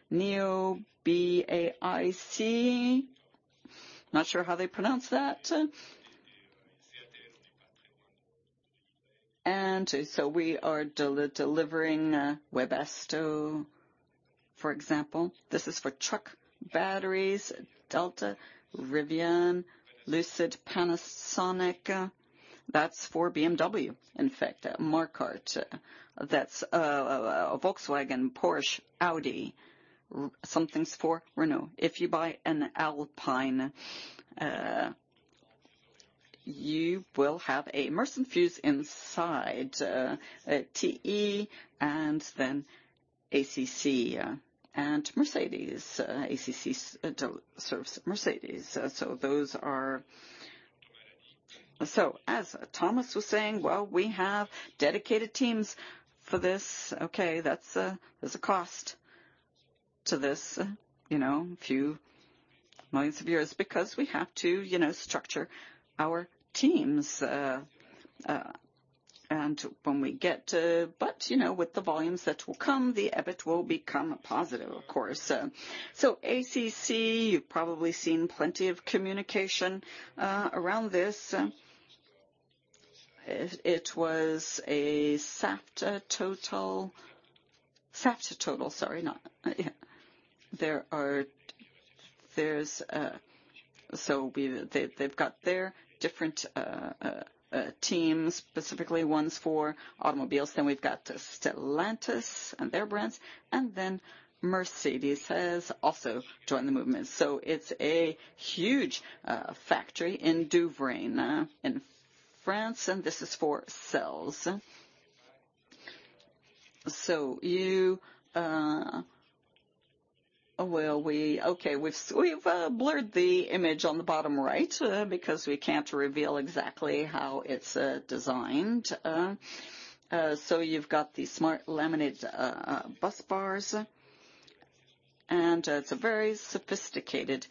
Neo BAIC. Not sure how they pronounce that. We are delivering Webasto, for example. This is for truck batteries. Delta, Rivian, Lucid, Panasonic. That is for BMW, in fact, Marquardt. That is Volkswagen, Porsche, Audi. Something is for Renault. If you buy an Alpine, you will have a Mersen fuse inside, TE, and then ACC, and Mercedes. ACC serves Mercedes. As Thomas was saying, we have dedicated teams for this. There is a cost to this, you know, few millions a year because we have to, you know, structure our teams. When we get, but, you know, with the volumes that will come, the EBIT will become positive, of course. ACC, you've probably seen plenty of communication around this. It was a Saft Total, Saft Total, sorry. Not, yeah. There are, there's, so we, they, they've got their different teams, specifically ones for automobiles. Then we've got Stellantis and their brands. Mercedes has also joined the movement. It is a huge factory in Douvrain, in France. This is for cells. You, well, we, okay, we've blurred the image on the bottom right, because we can't reveal exactly how it's designed. You've got the smart laminated bus bars. It is a very sophisticated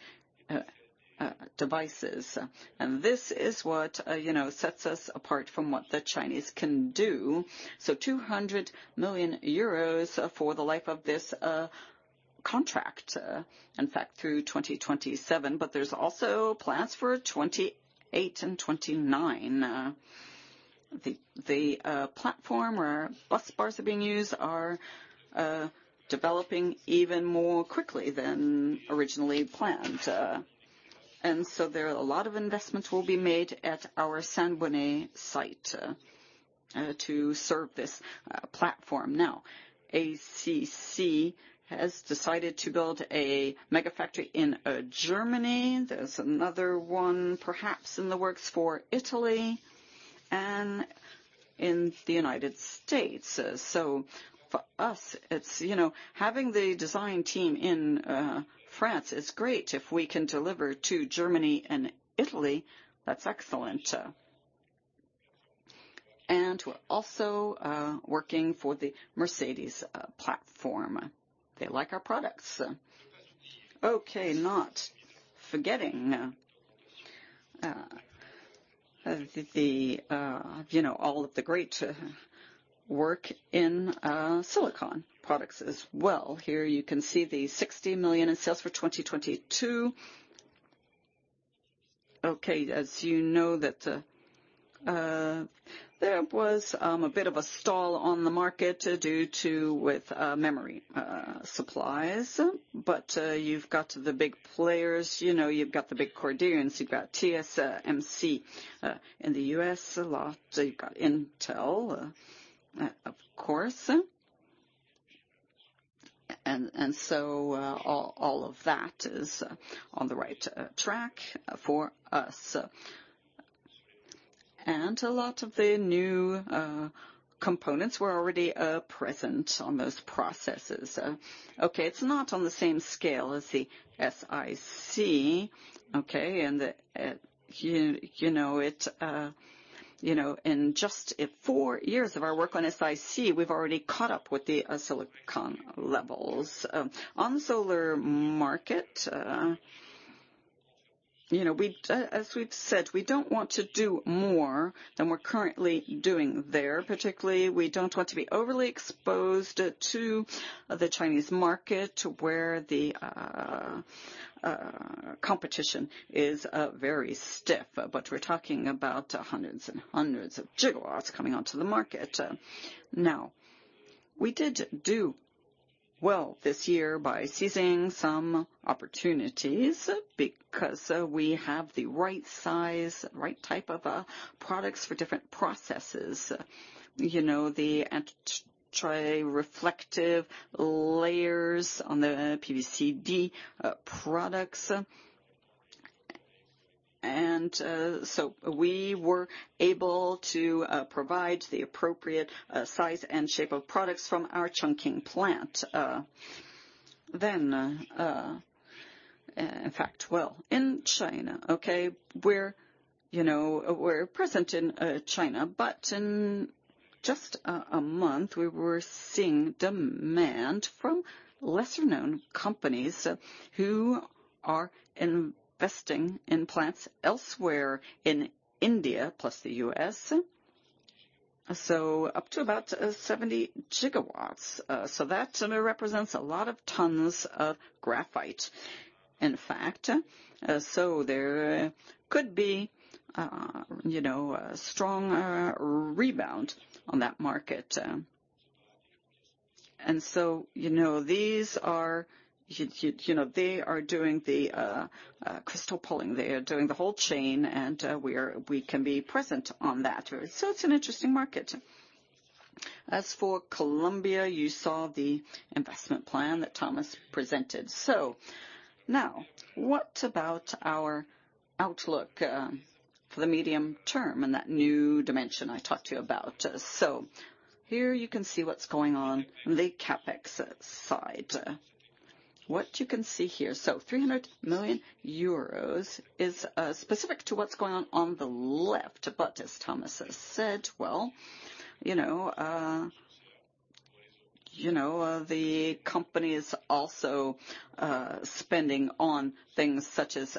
devices. This is what, you know, sets us apart from what the Chinese can do. 200 million euros for the life of this contract, in fact, through 2027. There are also plans for 2028 and 2029. The platform where bus bars are being used is developing even more quickly than originally planned, and so there are a lot of investments that will be made at our Saint-Bonnet site to serve this platform. Now, ACC has decided to build a mega factory in Germany. There is another one perhaps in the works for Italy and in the United States. For us, it's, you know, having the design team in France is great. If we can deliver to Germany and Italy, that's excellent. We are also working for the Mercedes platform. They like our products. Not forgetting, you know, all of the great work in silicon products as well. Here you can see the 60 million in sales for 2022. As you know, there was a bit of a stall on the market due to memory supplies. You have the big players. You know, you have the big Koreans. You have TSMC, in the U.S. a lot. You have Intel, of course. All of that is on the right track for us. A lot of the new components were already present on those processes. Okay. It is not on the same scale as the SiC. Okay. You know, in just four years of our work on SiC, we have already caught up with the silicon levels. On the solar market, you know, as we have said, we do not want to do more than we are currently doing there. Particularly, we do not want to be overly exposed to the Chinese market where the competition is very stiff. We're talking about hundreds and hundreds of gigawatts coming onto the market. Now, we did do well this year by seizing some opportunities because we have the right size, right type of products for different processes. You know, the anti-reflective layers on the PVCD products. And, so we were able to provide the appropriate size and shape of products from our Chongqing plant. In fact, in China, we're present in China. In just a month, we were seeing demand from lesser-known companies who are investing in plants elsewhere in India, plus the US. Up to about 70 gigawatts. That represents a lot of tons of graphite, in fact. There could be, you know, a strong rebound on that market. And so, you know, these are, you know, they are doing the crystal pulling. They are doing the whole chain. We are, we can be present on that. It is an interesting market. As for Colombia, you saw the investment plan that Thomas presented. Now, what about our outlook for the medium term and that new dimension I talked to you about? Here you can see what is going on on the CapEx side. What you can see here, 300 million euros is specific to what is going on on the left. As Thomas has said, you know, the company is also spending on things such as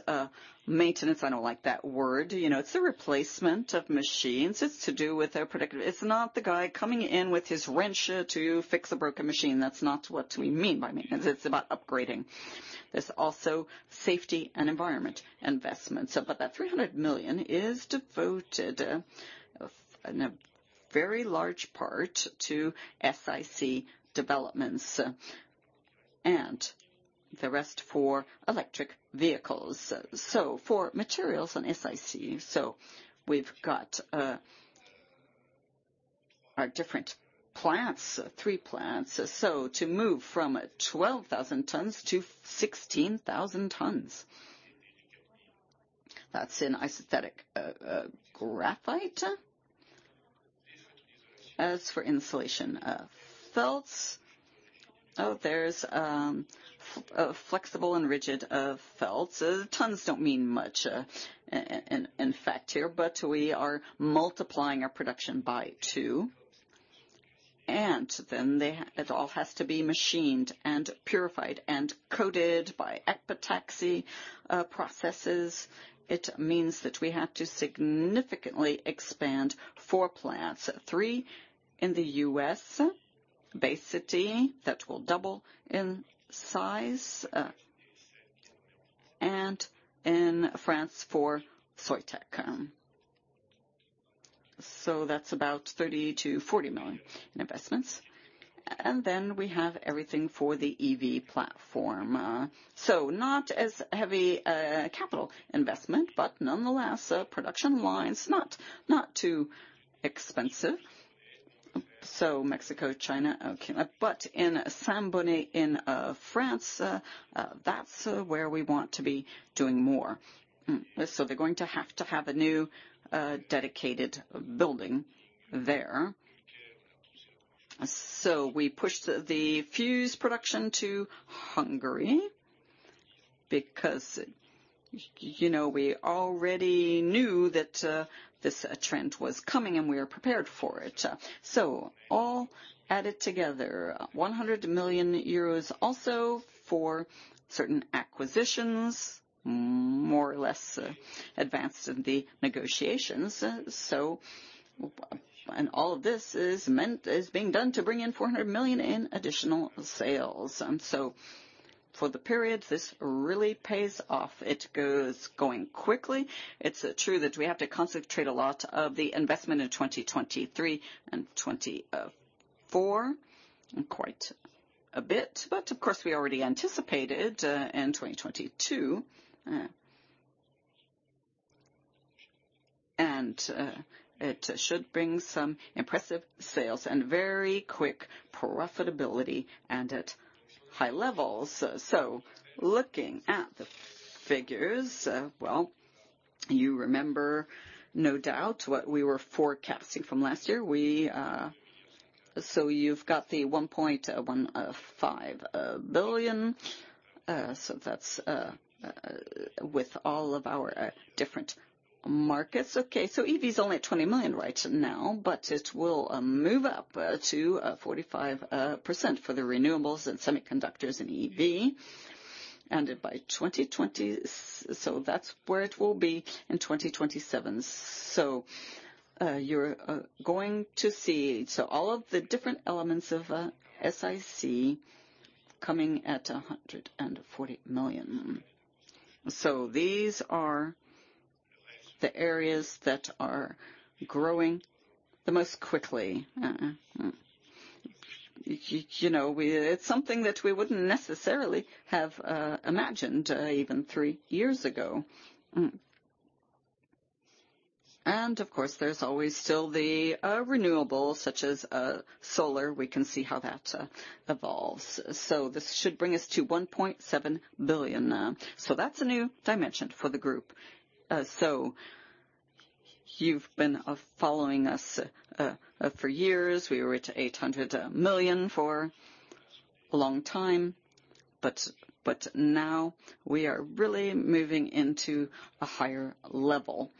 maintenance. I do not like that word. You know, it is a replacement of machines. It is to do with a predictor. It is not the guy coming in with his wrench to fix a broken machine. That is not what we mean by maintenance. It is about upgrading. There are also safety and environment investments. That $300 million is devoted, a very large part to SiC developments, and the rest for electric vehicles. For materials on SiC, we have our different plants, three plants. To move from 12,000 tons to 16,000 tons, that's in isostatic graphite. As for insulation felts, there are flexible and rigid felts. Tons do not mean much, in fact here, but we are multiplying our production by two. It all has to be machined and purified and coated by epitaxy processes. It means that we have to significantly expand four plants, three in the U.S., Bay City, that will double in size, and in France for Soitec. That is about 30 million-40 million investments. We have everything for the EV platform, so not as heavy capital investment, but nonetheless, production lines, not too expensive. Mexico, China, okay. In Saint-Bonnet in France, that's where we want to be doing more. They're going to have to have a new dedicated building there. We pushed the fuse production to Hungary because, you know, we already knew that this trend was coming and we were prepared for it. All added together, 100 million euros also for certain acquisitions, more or less advanced in the negotiations. All of this is meant, is being done to bring in 400 million in additional sales. For the period, this really pays off. It goes going quickly. It's true that we have to concentrate a lot of the investment in 2023 and 2024, quite a bit. Of course, we already anticipated in 2022. It should bring some impressive sales and very quick profitability and at high levels. Looking at the figures, you remember no doubt what we were forecasting from last year. You've got the 1.15 billion, that's with all of our different markets. EV's only at 20 million right now. It will move up to 45% for the renewables and semiconductors and EV. By 2027, that's where it will be. You're going to see all of the different elements of SiC coming at 140 million. These are the areas that are growing the most quickly. You know, it's something that we wouldn't necessarily have imagined even three years ago. Of course, there's always still the renewables such as solar. We can see how that evolves. This should bring us to 1.7 billion. That's a new dimension for the group. You've been following us for years. We were at 800 million for a long time. But now we are really moving into a higher level.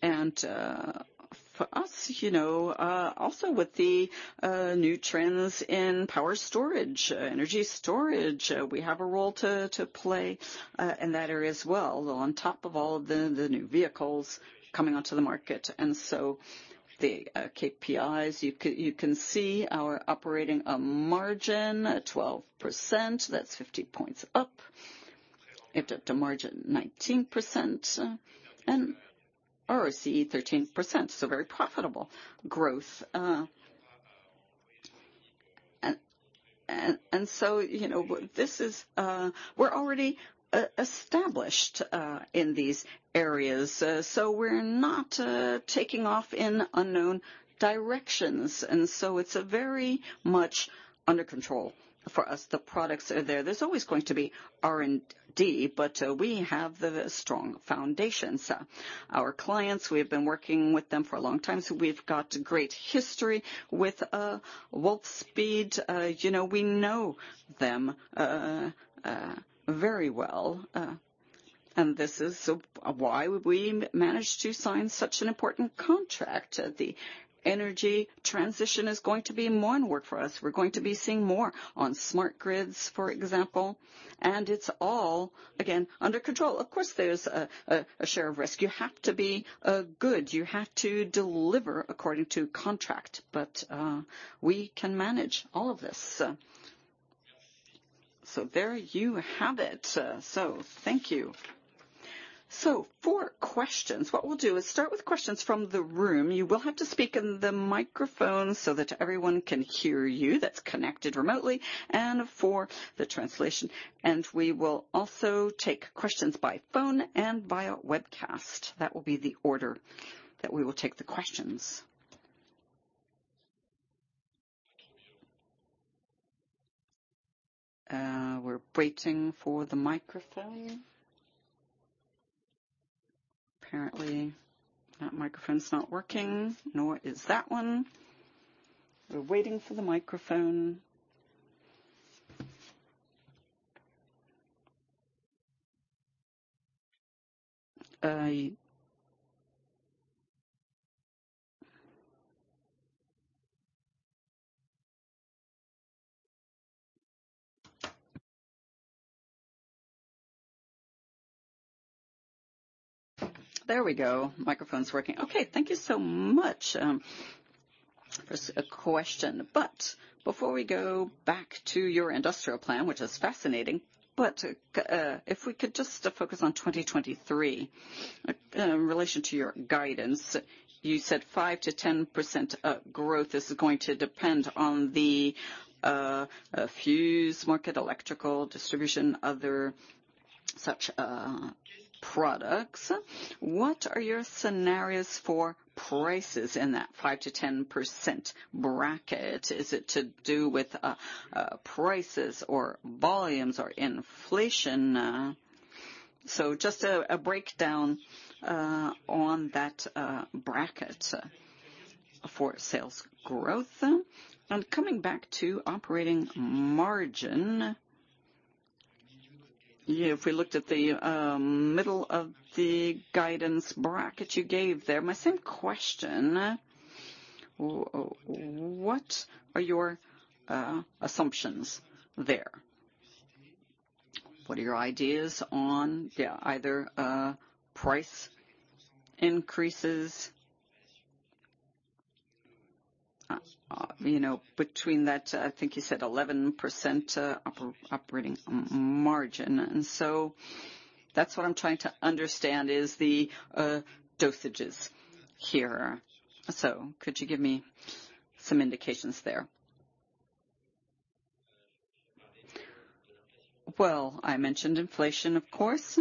For us, you know, also with the new trends in power storage, energy storage, we have a role to play in that area as well. On top of all of the new vehicles coming onto the market. The KPIs, you can see our operating margin, 12%. That is 50 basis points up. It took the margin 19%. ROC 13%. So very profitable growth. You know, this is, we are already established in these areas. We are not taking off in unknown directions. It is very much under control for us. The products are there. There is always going to be R&D. We have the strong foundations. Our clients, we have been working with them for a long time. We've got great history with Wolfspeed. You know, we know them very well. This is why we managed to sign such an important contract. The energy transition is going to be more in work for us. We're going to be seeing more on smart grids, for example. It's all, again, under control. Of course, there's a share of risk. You have to be good. You have to deliver according to contract. We can manage all of this. There you have it. Thank you. For questions, what we'll do is start with questions from the room. You will have to speak in the microphone so that everyone can hear you that's connected remotely and for the translation. We will also take questions by phone and via webcast. That will be the order that we will take the questions. We're waiting for the microphone. Apparently, that microphone's not working, nor is that one. We're waiting for the microphone. There we go. Microphone's working. Okay. Thank you so much, for a question. But before we go back to your industrial plan, which is fascinating, but, if we could just focus on 2023, in relation to your guidance, you said 5-10% growth is going to depend on the fuse market, electrical distribution, other such products. What are your scenarios for prices in that 5-10% bracket? Is it to do with prices or volumes or inflation? Just a breakdown on that bracket for sales growth. And coming back to operating margin, you know, if we looked at the middle of the guidance bracket you gave there, my same question, what are your assumptions there? What are your ideas on, yeah, either, price increases? You know, between that, I think you said 11% operating margin. That is what I'm trying to understand, the dosages here. Could you give me some indications there? I mentioned inflation, of course.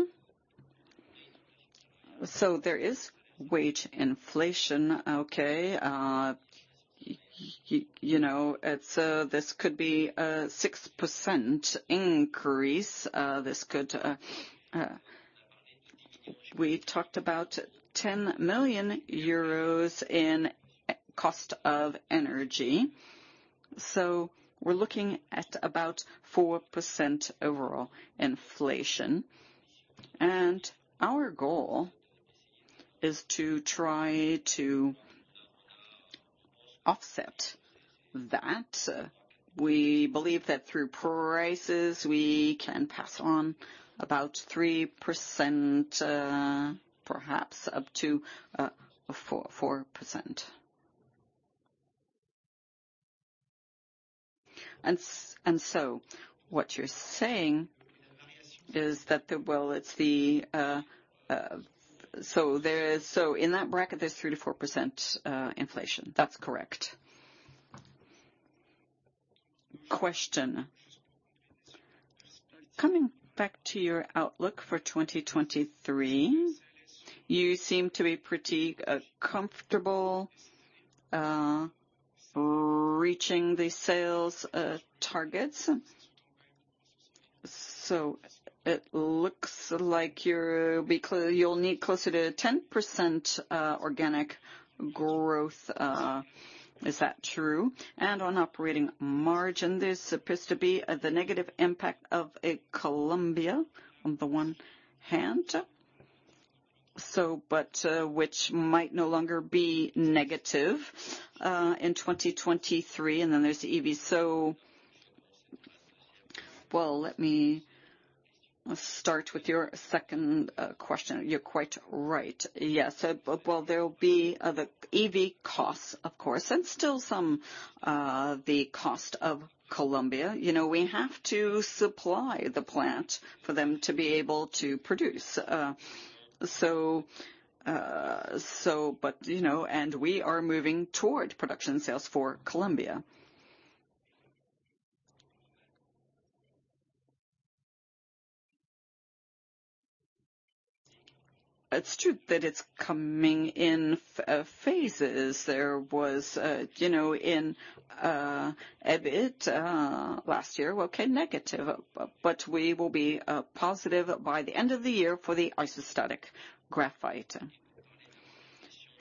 There is wage inflation, okay? You know, this could be a 6% increase. This could, we talked about 10 million euros in cost of energy. We are looking at about 4% overall inflation. Our goal is to try to offset that. We believe that through prices, we can pass on about 3%, perhaps up to 4%. What you are saying is that in that bracket, there is 3%-4% inflation. That is correct. Question. Coming back to your outlook for 2023, you seem to be pretty comfortable reaching the sales targets. It looks like you'll be close, you'll need closer to 10% organic growth. Is that true? On operating margin, there appears to be the negative impact of Colombia on the one hand, which might no longer be negative in 2023. Then there's the EV. Let me start with your second question. You're quite right. Yes, there will be the EV costs, of course, and still some of the cost of Colombia. You know, we have to supply the plant for them to be able to produce. You know, we are moving toward production sales for Colombia. It's true that it's coming in phases. There was, you know, in EBIT last year, negative. We will be positive by the end of the year for the isostatic graphite.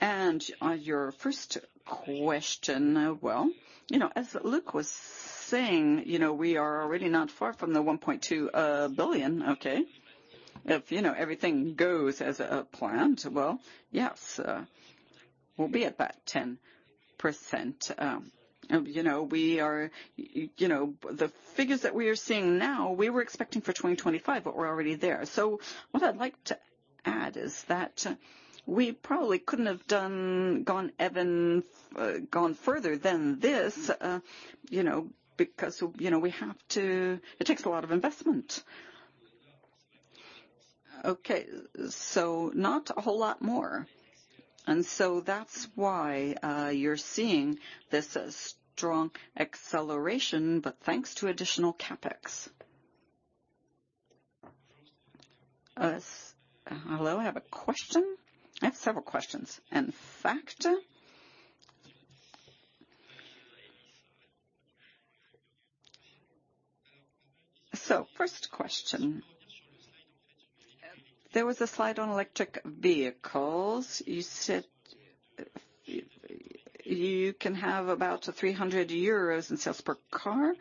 On your first question, you know, as Luc was saying, you know, we are already not far from the 1.2 billion, okay? If everything goes as planned, yes, we'll be at that 10%. You know, the figures that we are seeing now, we were expecting for 2025, but we're already there. What I'd like to add is that we probably couldn't have gone even further than this, you know, because, you know, it takes a lot of investment. Okay. Not a whole lot more. That's why you're seeing this strong acceleration, but thanks to additional CapEx. Hello, I have a question. I have several questions, in fact. First question. There was a slide on electric vehicles. You said you can have about 300 euros in sales per car.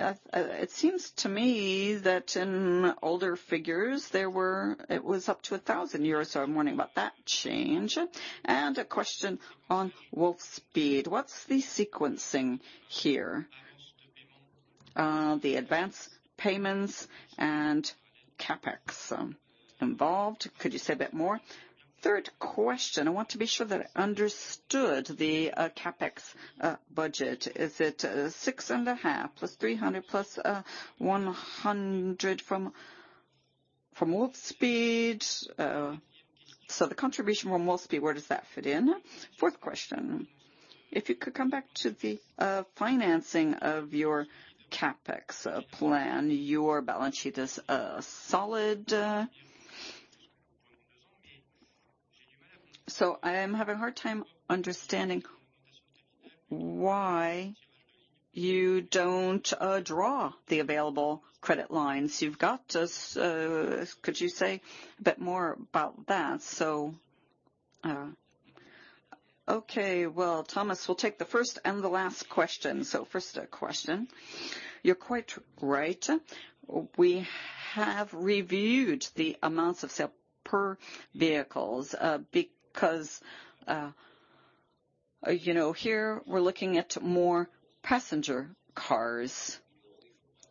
It seems to me that in older figures, there were, it was up to 1,000 euros. So I'm wondering about that change. And a question on Wolfspeed. What's the sequencing here? The advance payments and CapEx involved. Could you say a bit more? Third question, I want to be sure that I understood the CapEx budget. Is it 6 and a half plus 300 plus 100 from Wolfspeed? So the contribution from Wolfspeed, where does that fit in? Fourth question. If you could come back to the financing of your CapEx plan, your balance sheet is solid. So I'm having a hard time understanding why you don't draw the available credit lines. You've got to, could you say a bit more about that? Okay. Thomas, we'll take the first and the last question. First question. You're quite right. We have reviewed the amounts of sale per vehicles, because, you know, here we're looking at more passenger cars.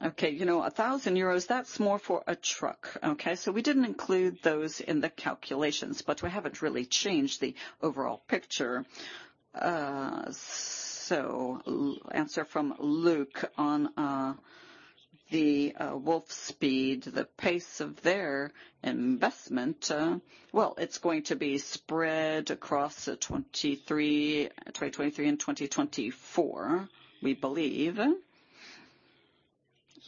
Okay. You know, 1,000 euros, that's more for a truck. Okay. So we didn't include those in the calculations, but we haven't really changed the overall picture. So answer from Luc on, the, Wolfspeed, the pace of their investment. Well, it's going to be spread across the 2023 and 2024, we believe.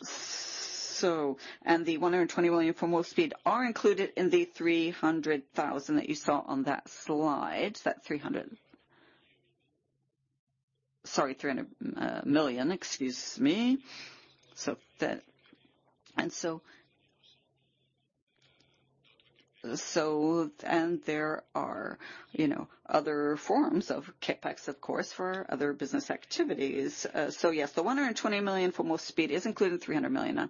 So, and the 120 million from Wolfspeed are included in the 300 million that you saw on that slide, that 300, sorry, 300 million. Excuse me. So that, and so, so, and there are, you know, other forms of CapEx, of course, for other business activities. So yes, the 120 million from Wolfspeed is included in 300 million.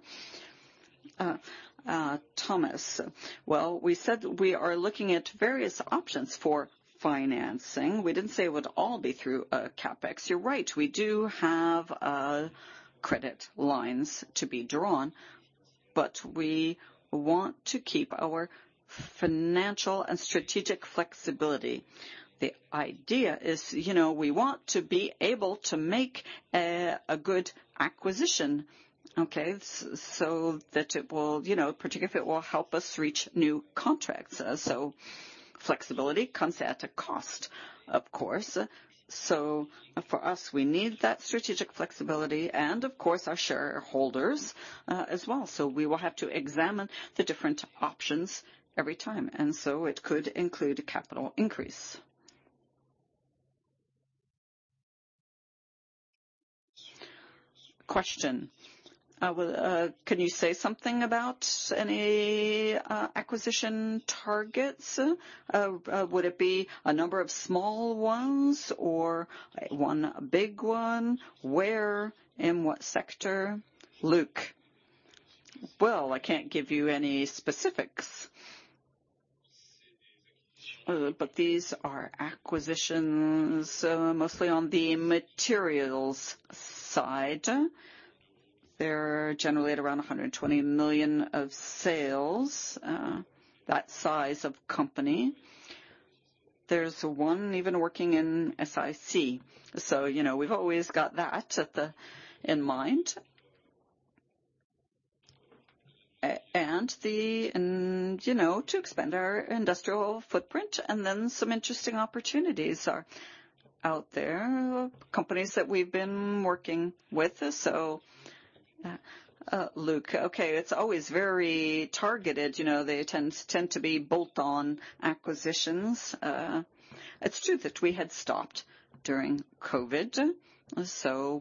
Thomas, well, we said we are looking at various options for financing. We didn't say it would all be through CapEx. You're right. We do have credit lines to be drawn, but we want to keep our financial and strategic flexibility. The idea is, you know, we want to be able to make a good acquisition, okay, so that it will, you know, particularly if it will help us reach new contracts. Flexibility comes at a cost, of course. For us, we need that strategic flexibility. And of course, our shareholders, as well. We will have to examine the different options every time. It could include a capital increase. Question. Can you say something about any acquisition targets? Would it be a number of small ones or one big one? Where, in what sector? Luc. I can't give you any specifics. These are acquisitions, mostly on the materials side. They're generally at around 120 million of sales, that size of company. There's one even working in SiC. You know, we've always got that in mind. You know, to expand our industrial footprint and then some interesting opportunities are out there, companies that we've been working with. Luc, okay, it's always very targeted. You know, they tend to be bolt-on acquisitions. It's true that we had stopped during COVID.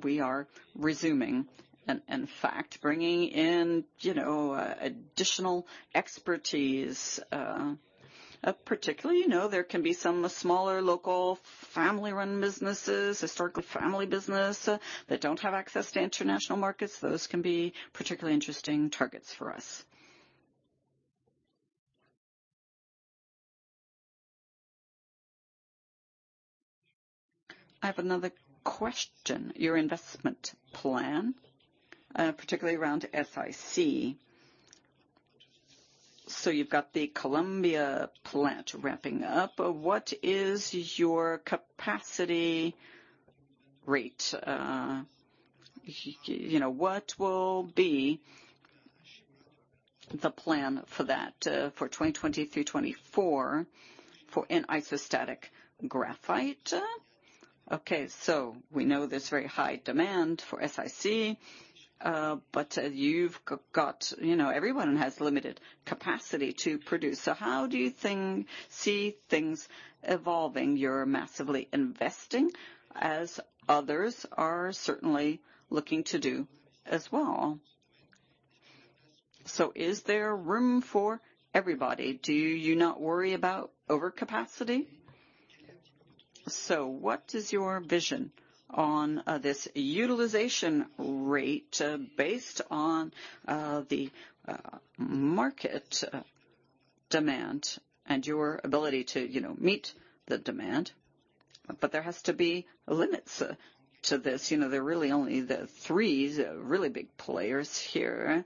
We are resuming and, in fact, bringing in, you know, additional expertise. Particularly, you know, there can be some smaller local family-run businesses, historically family business that do not have access to international markets. Those can be particularly interesting targets for us. I have another question. Your investment plan, particularly around SiC. You have the Colombia plant wrapping up. What is your capacity rate? You know, what will be the plan for that, for 2023, 2024 for isostatic graphite? Okay. We know there's very high demand for SiC, but you've got, you know, everyone has limited capacity to produce. How do you think, see things evolving? You're massively investing as others are certainly looking to do as well. Is there room for everybody? Do you not worry about overcapacity? What is your vision on this utilization rate, based on the market demand and your ability to, you know, meet the demand? There has to be limits to this. You know, there are really only the three really big players here,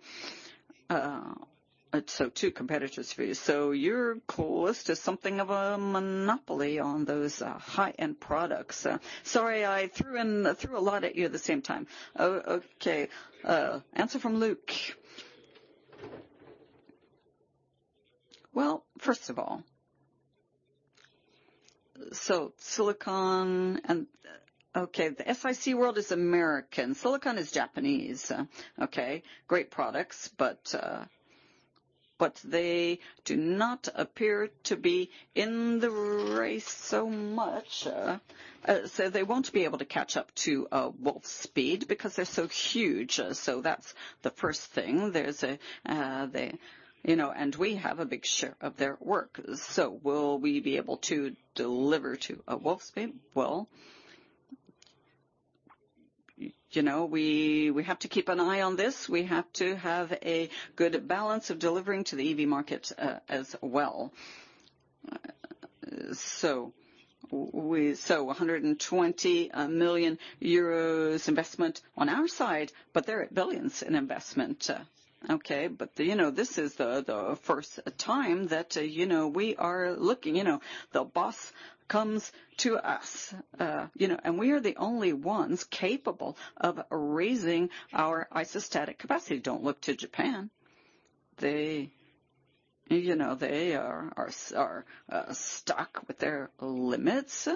so two competitors for you. You're close to something of a monopoly on those high-end products. Sorry, I threw in, threw a lot at you at the same time. Oh, okay. Answer from Luc. First of all, silicon and, okay, the SiC world is American. Silicon is Japanese. Okay. Great products, but they do not appear to be in the race so much. They won't be able to catch up to Wolfspeed because they're so huge. That's the first thing. They, you know, and we have a big share of their work. Will we be able to deliver to a Wolfspeed? You know, we have to keep an eye on this. We have to have a good balance of delivering to the EV market as well. 120 million euros investment on our side, but they're at billions in investment. The first time that, you know, we are looking, you know, the boss comes to us, you know, and we are the only ones capable of raising our isostatic capacity. Don't look to Japan. They, you know, they are stuck with their limits,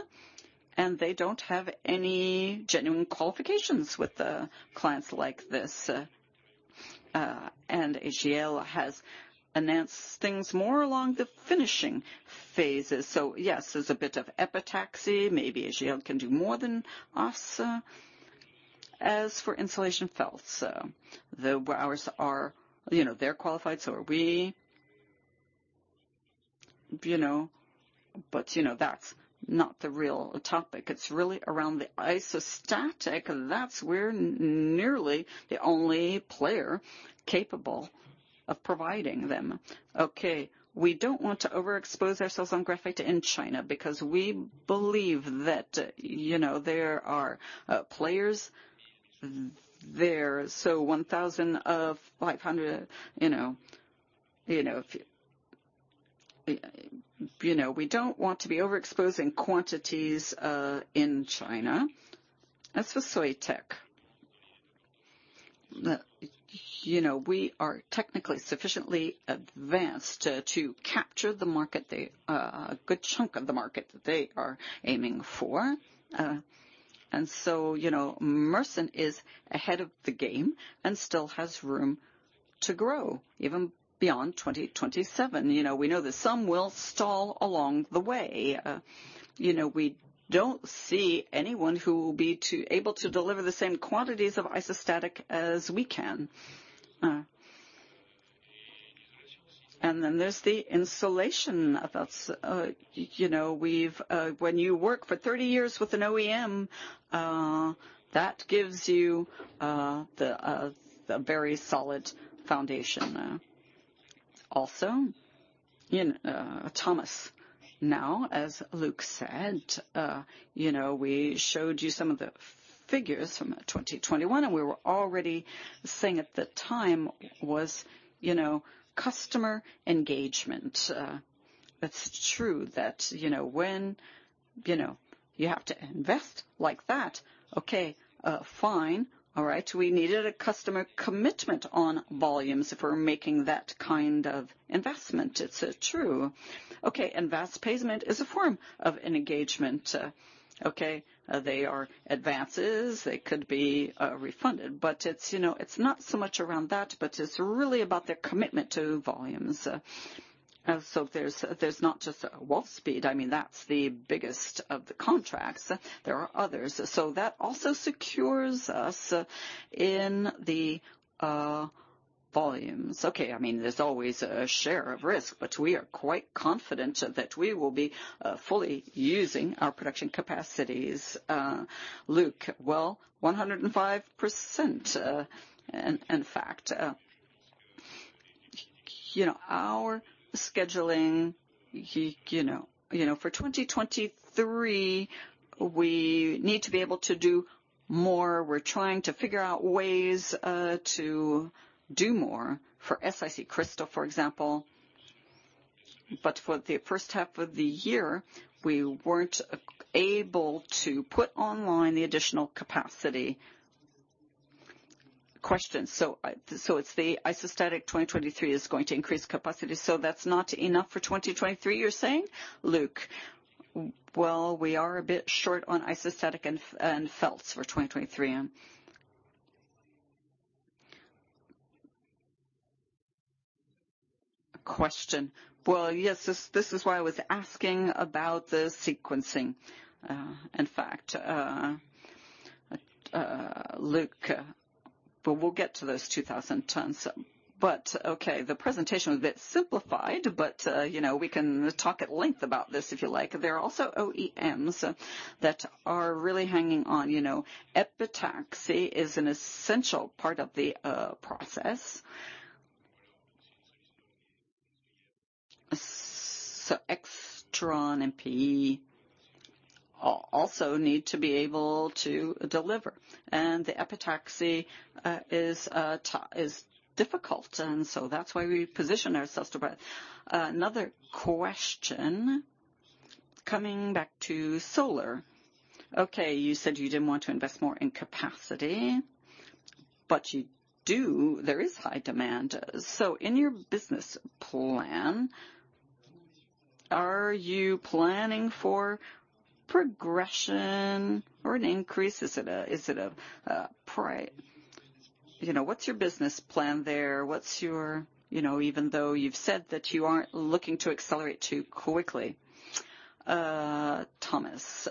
and they don't have any genuine qualifications with clients like this. AGL has announced things more along the finishing phases. Yes, there's a bit of epitaxy. Maybe AGL can do more than us, as for insulation felts. Ours are, you know, they're qualified, so are we, you know, but, you know, that's not the real topic. It's really around the isostatic. That's where nearly the only player capable of providing them. Okay. We don't want to overexpose ourselves on graphite in China because we believe that, you know, there are players there. 1,500, you know, you know, if you, you know, we don't want to be overexposing quantities in China. That's for Soitec. You know, we are technically sufficiently advanced to capture the market, a good chunk of the market that they are aiming for. You know, Mersen is ahead of the game and still has room to grow even beyond 2027. You know, we know that some will stall along the way. You know, we do not see anyone who will be able to deliver the same quantities of isostatic as we can. Then there is the insulation that is, you know, we have, when you work for 30 years with an OEM, that gives you a very solid foundation. Also, you know, Thomas, now, as Luc said, you know, we showed you some of the figures from 2021, and we were already saying at the time was, you know, customer engagement. It is true that, you know, when, you know, you have to invest like that, okay, fine. All right. We needed a customer commitment on volumes if we're making that kind of investment. It's true. Okay. And vast payment is a form of engagement. Okay. They are advances. They could be refunded, but it's, you know, it's not so much around that, but it's really about their commitment to volumes. There's not just Wolfspeed. I mean, that's the biggest of the contracts. There are others. That also secures us in the volumes. Okay. I mean, there's always a share of risk, but we are quite confident that we will be fully using our production capacities. Luc, 105%, in fact, you know, our scheduling, you know, for 2023, we need to be able to do more. We're trying to figure out ways to do more for SiC Crystal, for example. For the first half of the year, we were not able to put online the additional capacity. Question. It is the isostatic 2023 that is going to increase capacity. That is not enough for 2023, you are saying? Luc. We are a bit short on isostatic and felts for 2023. Question. Yes, this is why I was asking about the sequencing. In fact, Luc, we will get to those 2,000 tons. The presentation was a bit simplified, but you know, we can talk at length about this if you like. There are also OEMs that are really hanging on. You know, epitaxy is an essential part of the process. So Extron and PE also need to be able to deliver. The epitaxy is difficult. That is why we position ourselves to buy it. Another question coming back to solar. Okay. You said you didn't want to invest more in capacity, but you do. There is high demand. In your business plan, are you planning for progression or an increase? Is it a, is it a, you know, what's your business plan there? What's your, you know, even though you've said that you aren't looking to accelerate too quickly? Thomas,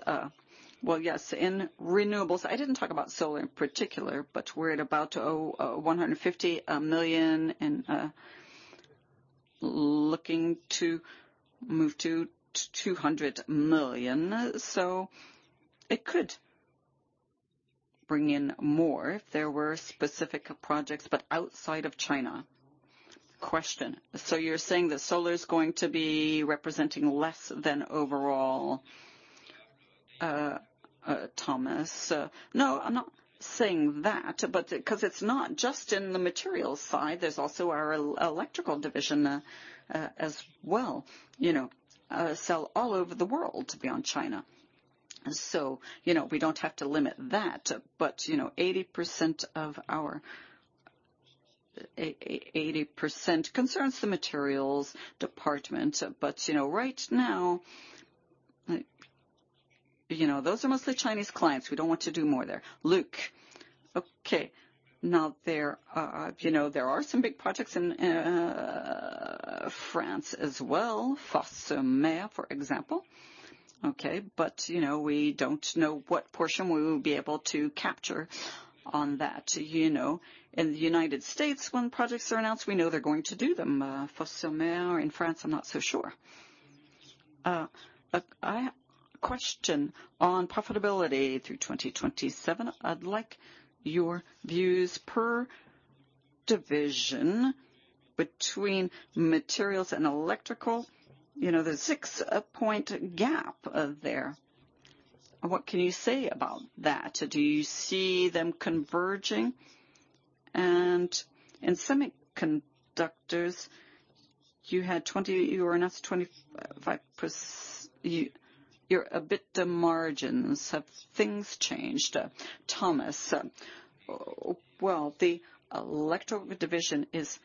yes, in renewables, I didn't talk about solar in particular, but we're about to, $150 million and looking to move to $200 million. It could bring in more if there were specific projects, but outside of China. Question. You're saying that solar is going to be representing less than overall, Thomas? No, I'm not saying that, because it's not just in the materials side. There's also our electrical division, as well, you know, sell all over the world beyond China. You know, we do not have to limit that, but, you know, 80% of our 80% concerns the materials department. You know, right now, those are mostly Chinese clients. We do not want to do more there. Luc. Okay. Now, there are some big projects in France as well. First Solar, for example. Okay. You know, we do not know what portion we will be able to capture on that. In the United States, when projects are announced, we know they are going to do them. First Solar or in France, I am not so sure. I have a question on profitability through 2027. I would like your views per division between materials and electrical. You know, there is a six-point gap there. What can you say about that? Do you see them converging? In semiconductors, you had 20, you were announced 25%. You, you're a bit to margins. Have things changed? Thomas, the electrical division is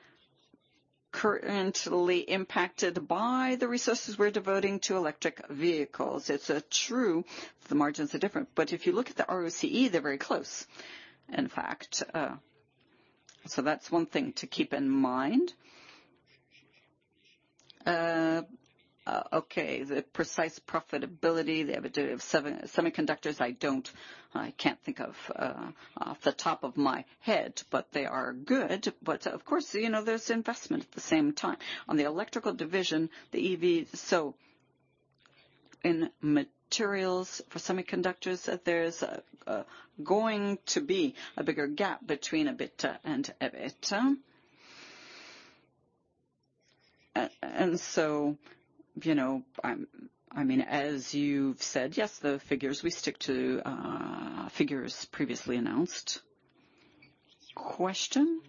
currently impacted by the resources we're devoting to electric vehicles. It's true the margins are different. If you look at the ROCE, they're very close, in fact. That's one thing to keep in mind. Okay. The precise profitability, the avidity of semiconductors, I don't, I can't think of, off the top of my head, but they are good. Of course, you know, there's investment at the same time on the electrical division, the EV. In materials for semiconductors, there's going to be a bigger gap between EBIT and EBITDA. You know, I mean, as you've said, yes, the figures, we stick to, figures previously announced. Question.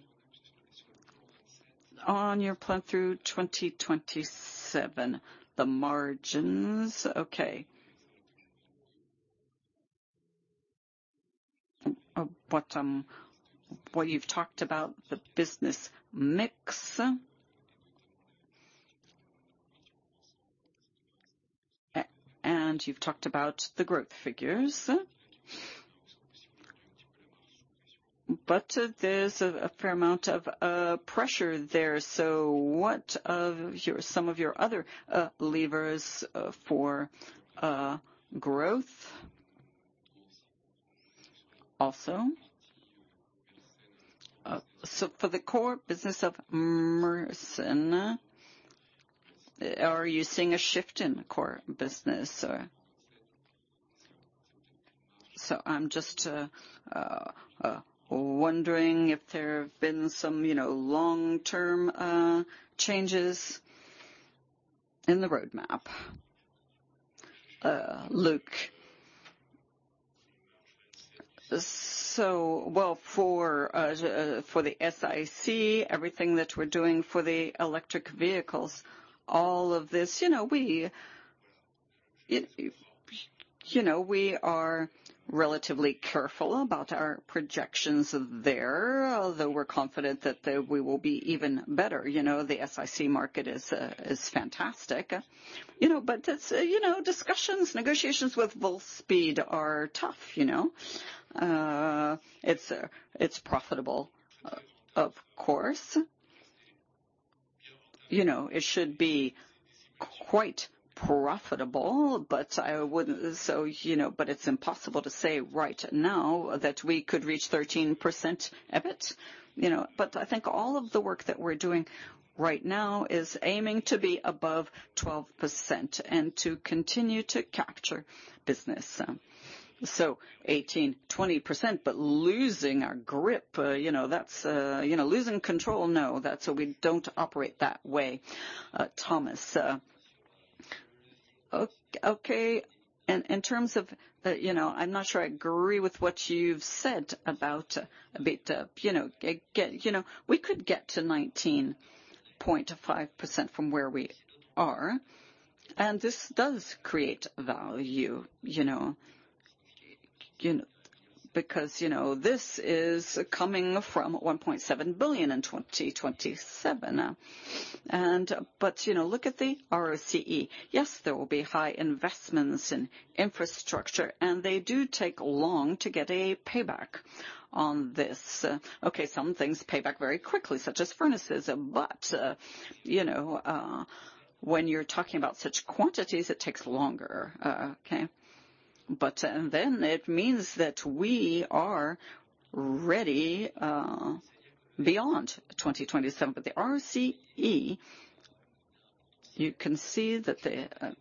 On your plan through 2027, the margins. Okay. What you've talked about, the business mix. You've talked about the growth figures. There is a fair amount of pressure there. What are some of your other levers for growth also? For the core business of Mersen, are you seeing a shift in core business? I'm just wondering if there have been some long-term changes in the roadmap. Luc. For the SiC, everything that we're doing for the electric vehicles, all of this, we are relatively careful about our projections there, although we're confident that we will be even better. The SiC market is fantastic. It is discussions, negotiations with Wolfspeed are tough. It is profitable, of course. You know, it should be quite profitable, but I wouldn't, so, you know, but it's impossible to say right now that we could reach 13% EBIT, you know. But I think all of the work that we're doing right now is aiming to be above 12% and to continue to capture business. so 18-20%, but losing our grip, you know, that's, you know, losing control. No, that's what we don't operate that way. Thomas, okay. And in terms of, you know, I'm not sure I agree with what you've said about EBITDA, you know, get, you know, we could get to 19.5% from where we are. And this does create value, you know, you know, because, you know, this is coming from $1.7 billion in 2027. And, but, you know, look at the ROCE. Yes, there will be high investments in infrastructure, and they do take long to get a payback on this. Okay. Some things pay back very quickly, such as furnaces. But, you know, when you're talking about such quantities, it takes longer. Okay. And then it means that we are ready, beyond 2027. But the ROCE, you can see that,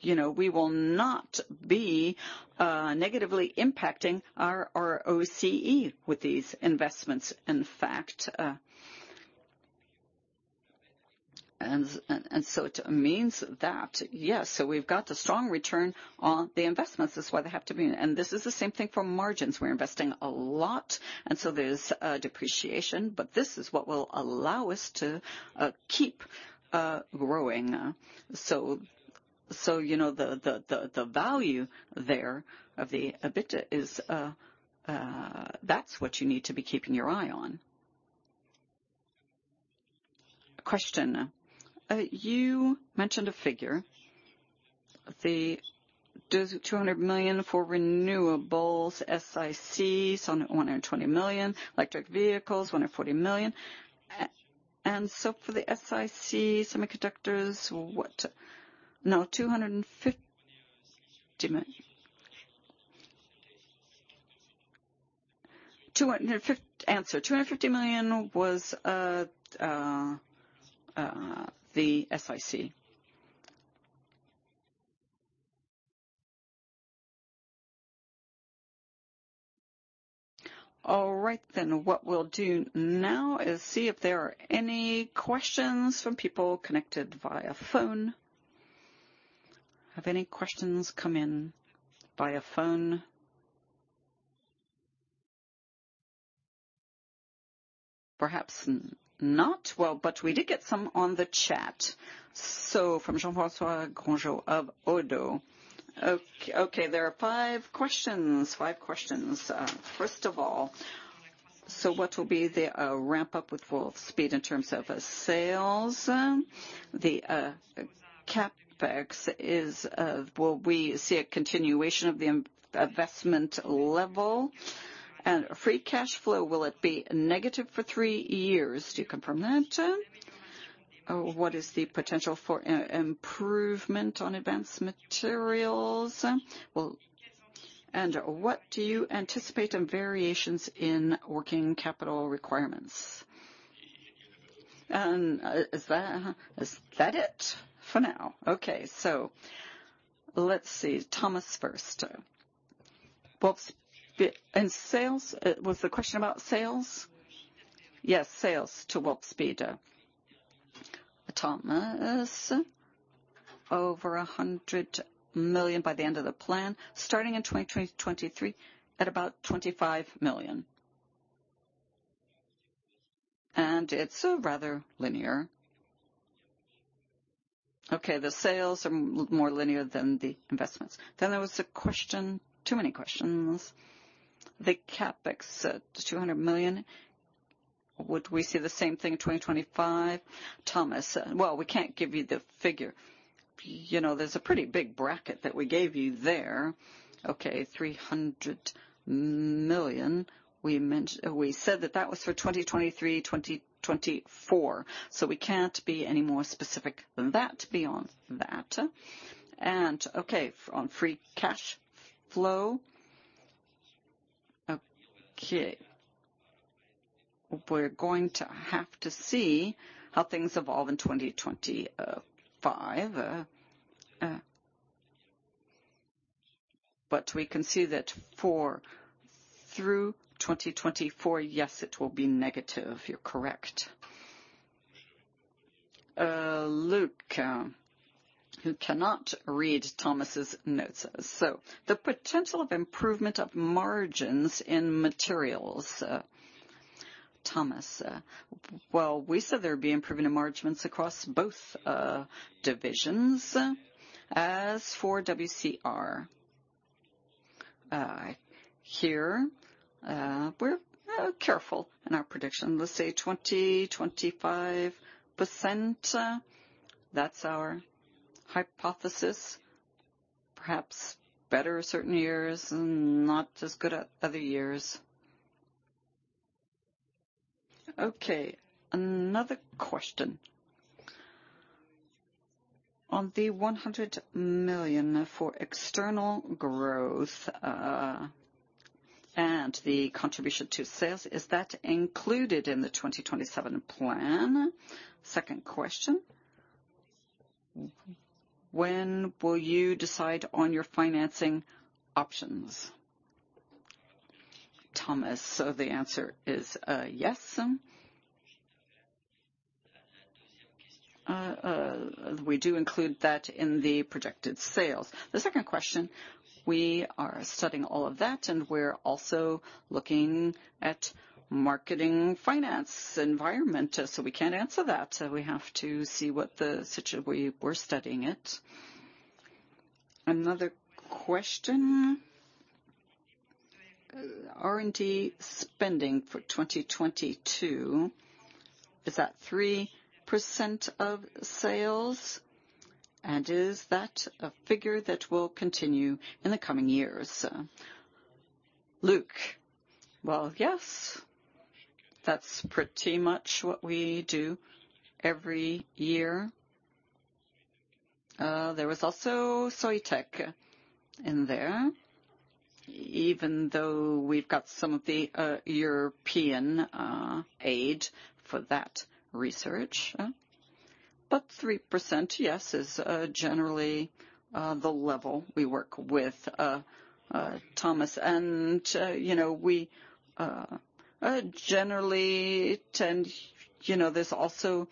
you know, we will not be negatively impacting our ROCE with these investments, in fact. And so it means that, yes, so we've got the strong return on the investments. That's why they have to be. This is the same thing for margins. We're investing a lot. And so there's depreciation, but this is what will allow us to keep growing. So, you know, the value there of the EBITDA is, that's what you need to be keeping your eye on. Question. You mentioned a figure. The does 200 million for renewables, SiC, on 120 million, electric vehicles, 140 million. And so for the SiC semiconductors, what? No, 250. 250. Answer. 250 million was, the SiC. All right. What we'll do now is see if there are any questions from people connected via phone. Have any questions come in via phone? Perhaps not. We did get some on the chat. From Jean-François Grangeau of Odo. Okay. There are five questions. Five questions. First of all, what will be the ramp-up with Wolfspeed in terms of sales? The CapEx is, will we see a continuation of the investment level? And free cash flow, will it be negative for three years? Do you confirm that? What is the potential for improvement on advanced materials? What do you anticipate in variations in working capital requirements? Is that it for now? Okay. Let's see. Thomas first. Wolfspeed and sales, it was the question about sales? Yes, sales to Wolfspeed. Thomas, over $100 million by the end of the plan, starting in 2023 at about $25 million. It is rather linear. The sales are more linear than the investments. There was a question, too many questions. The CapEx, 200 million. Would we see the same thing in 2025? Thomas, we can't give you the figure. You know, there's a pretty big bracket that we gave you there. 300 million. We mentioned, we said that that was for 2023-2024. We can't be any more specific than that beyond that. On free cash flow, we are going to have to see how things evolve in 2025. but we can see that for through 2024, yes, it will be negative. You're correct. Luc, who cannot read Thomas's notes. So the potential of improvement of margins in materials. Thomas, we said there'd be improvement in margins across both divisions. As for WCR, here, we're careful in our prediction. Let's say 20-25%. That's our hypothesis. Perhaps better certain years and not as good at other years. Okay. Another question. On the $100 million for external growth, and the contribution to sales, is that included in the 2027 plan? Second question. When will you decide on your financing options? Thomas, the answer is, yes. We do include that in the projected sales. The second question, we are studying all of that, and we're also looking at marketing finance environment. We can't answer that. We have to see what the situation is, we were studying it. Another question. R&D spending for 2022, is that 3% of sales? And is that a figure that will continue in the coming years? Luc. Yes. That's pretty much what we do every year. There was also Soitec in there, even though we've got some of the European aid for that research. 3%, yes, is generally the level we work with, Thomas. You know, we generally tend, you know, there's also,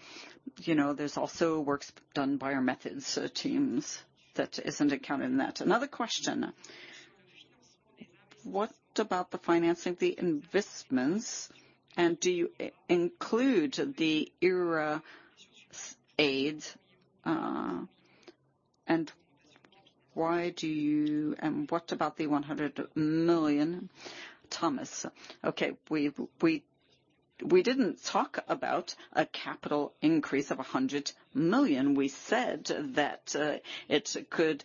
you know, there's also works done by our methods teams that isn't accounted in that. Another question. What about the financing, the investments? And do you include the ERA aid? Why do you, and what about the 100 million? Thomas. Okay. We didn't talk about a capital increase of 100 million. We said that it could,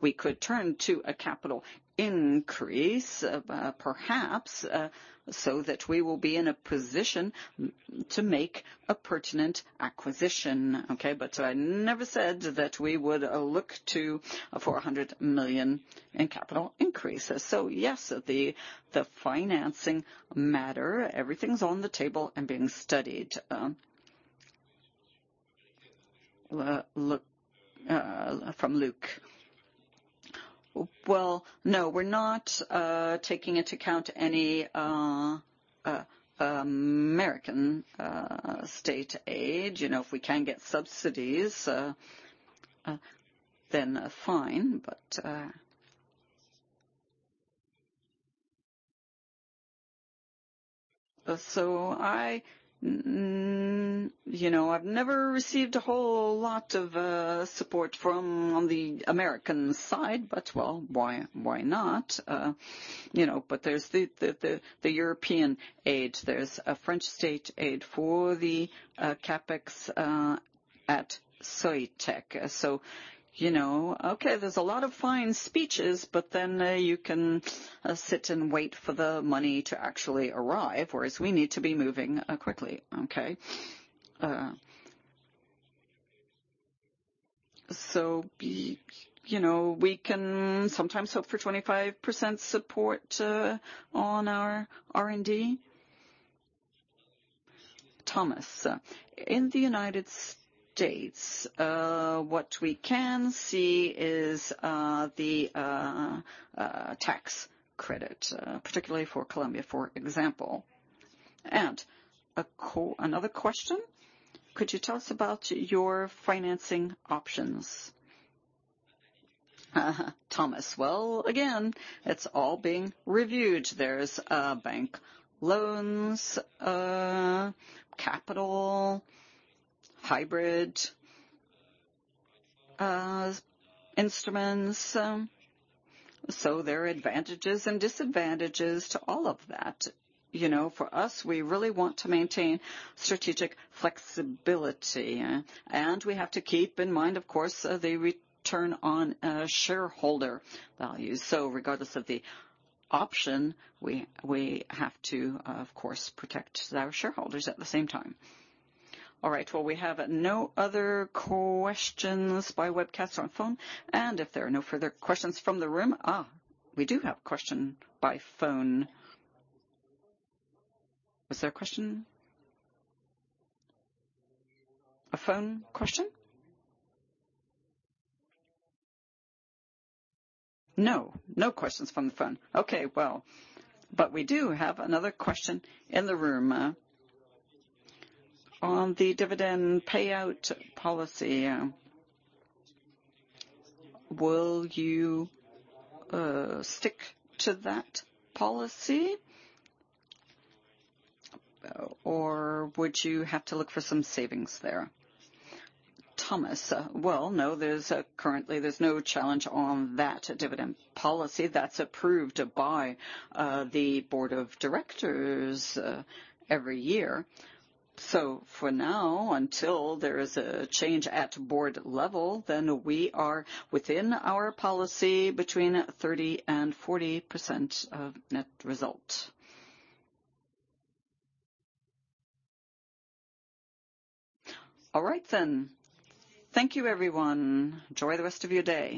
we could turn to a capital increase, perhaps, so that we will be in a position to make a pertinent acquisition. Okay. I never said that we would look to a 400 million capital increase. Yes, the financing matter, everything's on the table and being studied. Look, from Luc. No, we're not taking into account any American state aid. You know, if we can get subsidies, then fine. I, you know, I've never received a whole lot of support from the American side, but why, why not? You know, there's the European aid. There's a French state aid for the CapEx at Soitec. You know, okay, there's a lot of fine speeches, but then you can sit and wait for the money to actually arrive, whereas we need to be moving quickly. Okay. So, you know, we can sometimes hope for 25% support on our R&D. Thomas. In the United States, what we can see is the tax credit, particularly for Colombia, for example. And another question. Could you tell us about your financing options? Thomas. Again, it's all being reviewed. There are bank loans, capital, hybrid instruments. There are advantages and disadvantages to all of that. You know, for us, we really want to maintain strategic flexibility. We have to keep in mind, of course, the return on shareholder values. Regardless of the option, we have to, of course, protect our shareholders at the same time. All right. We have no other questions by webcast or on phone. If there are no further questions from the room, we do have a question by phone. Was there a question? A phone question? No. No questions from the phone. Okay. We do have another question in the room. On the dividend payout policy, will you stick to that policy? Or would you have to look for some savings there? Thomas. No, currently there's no challenge on that dividend policy that's approved by the board of directors every year. For now, until there is a change at board level, we are within our policy between 30%-40% of net result. All right then. Thank you, everyone. Enjoy the rest of your day.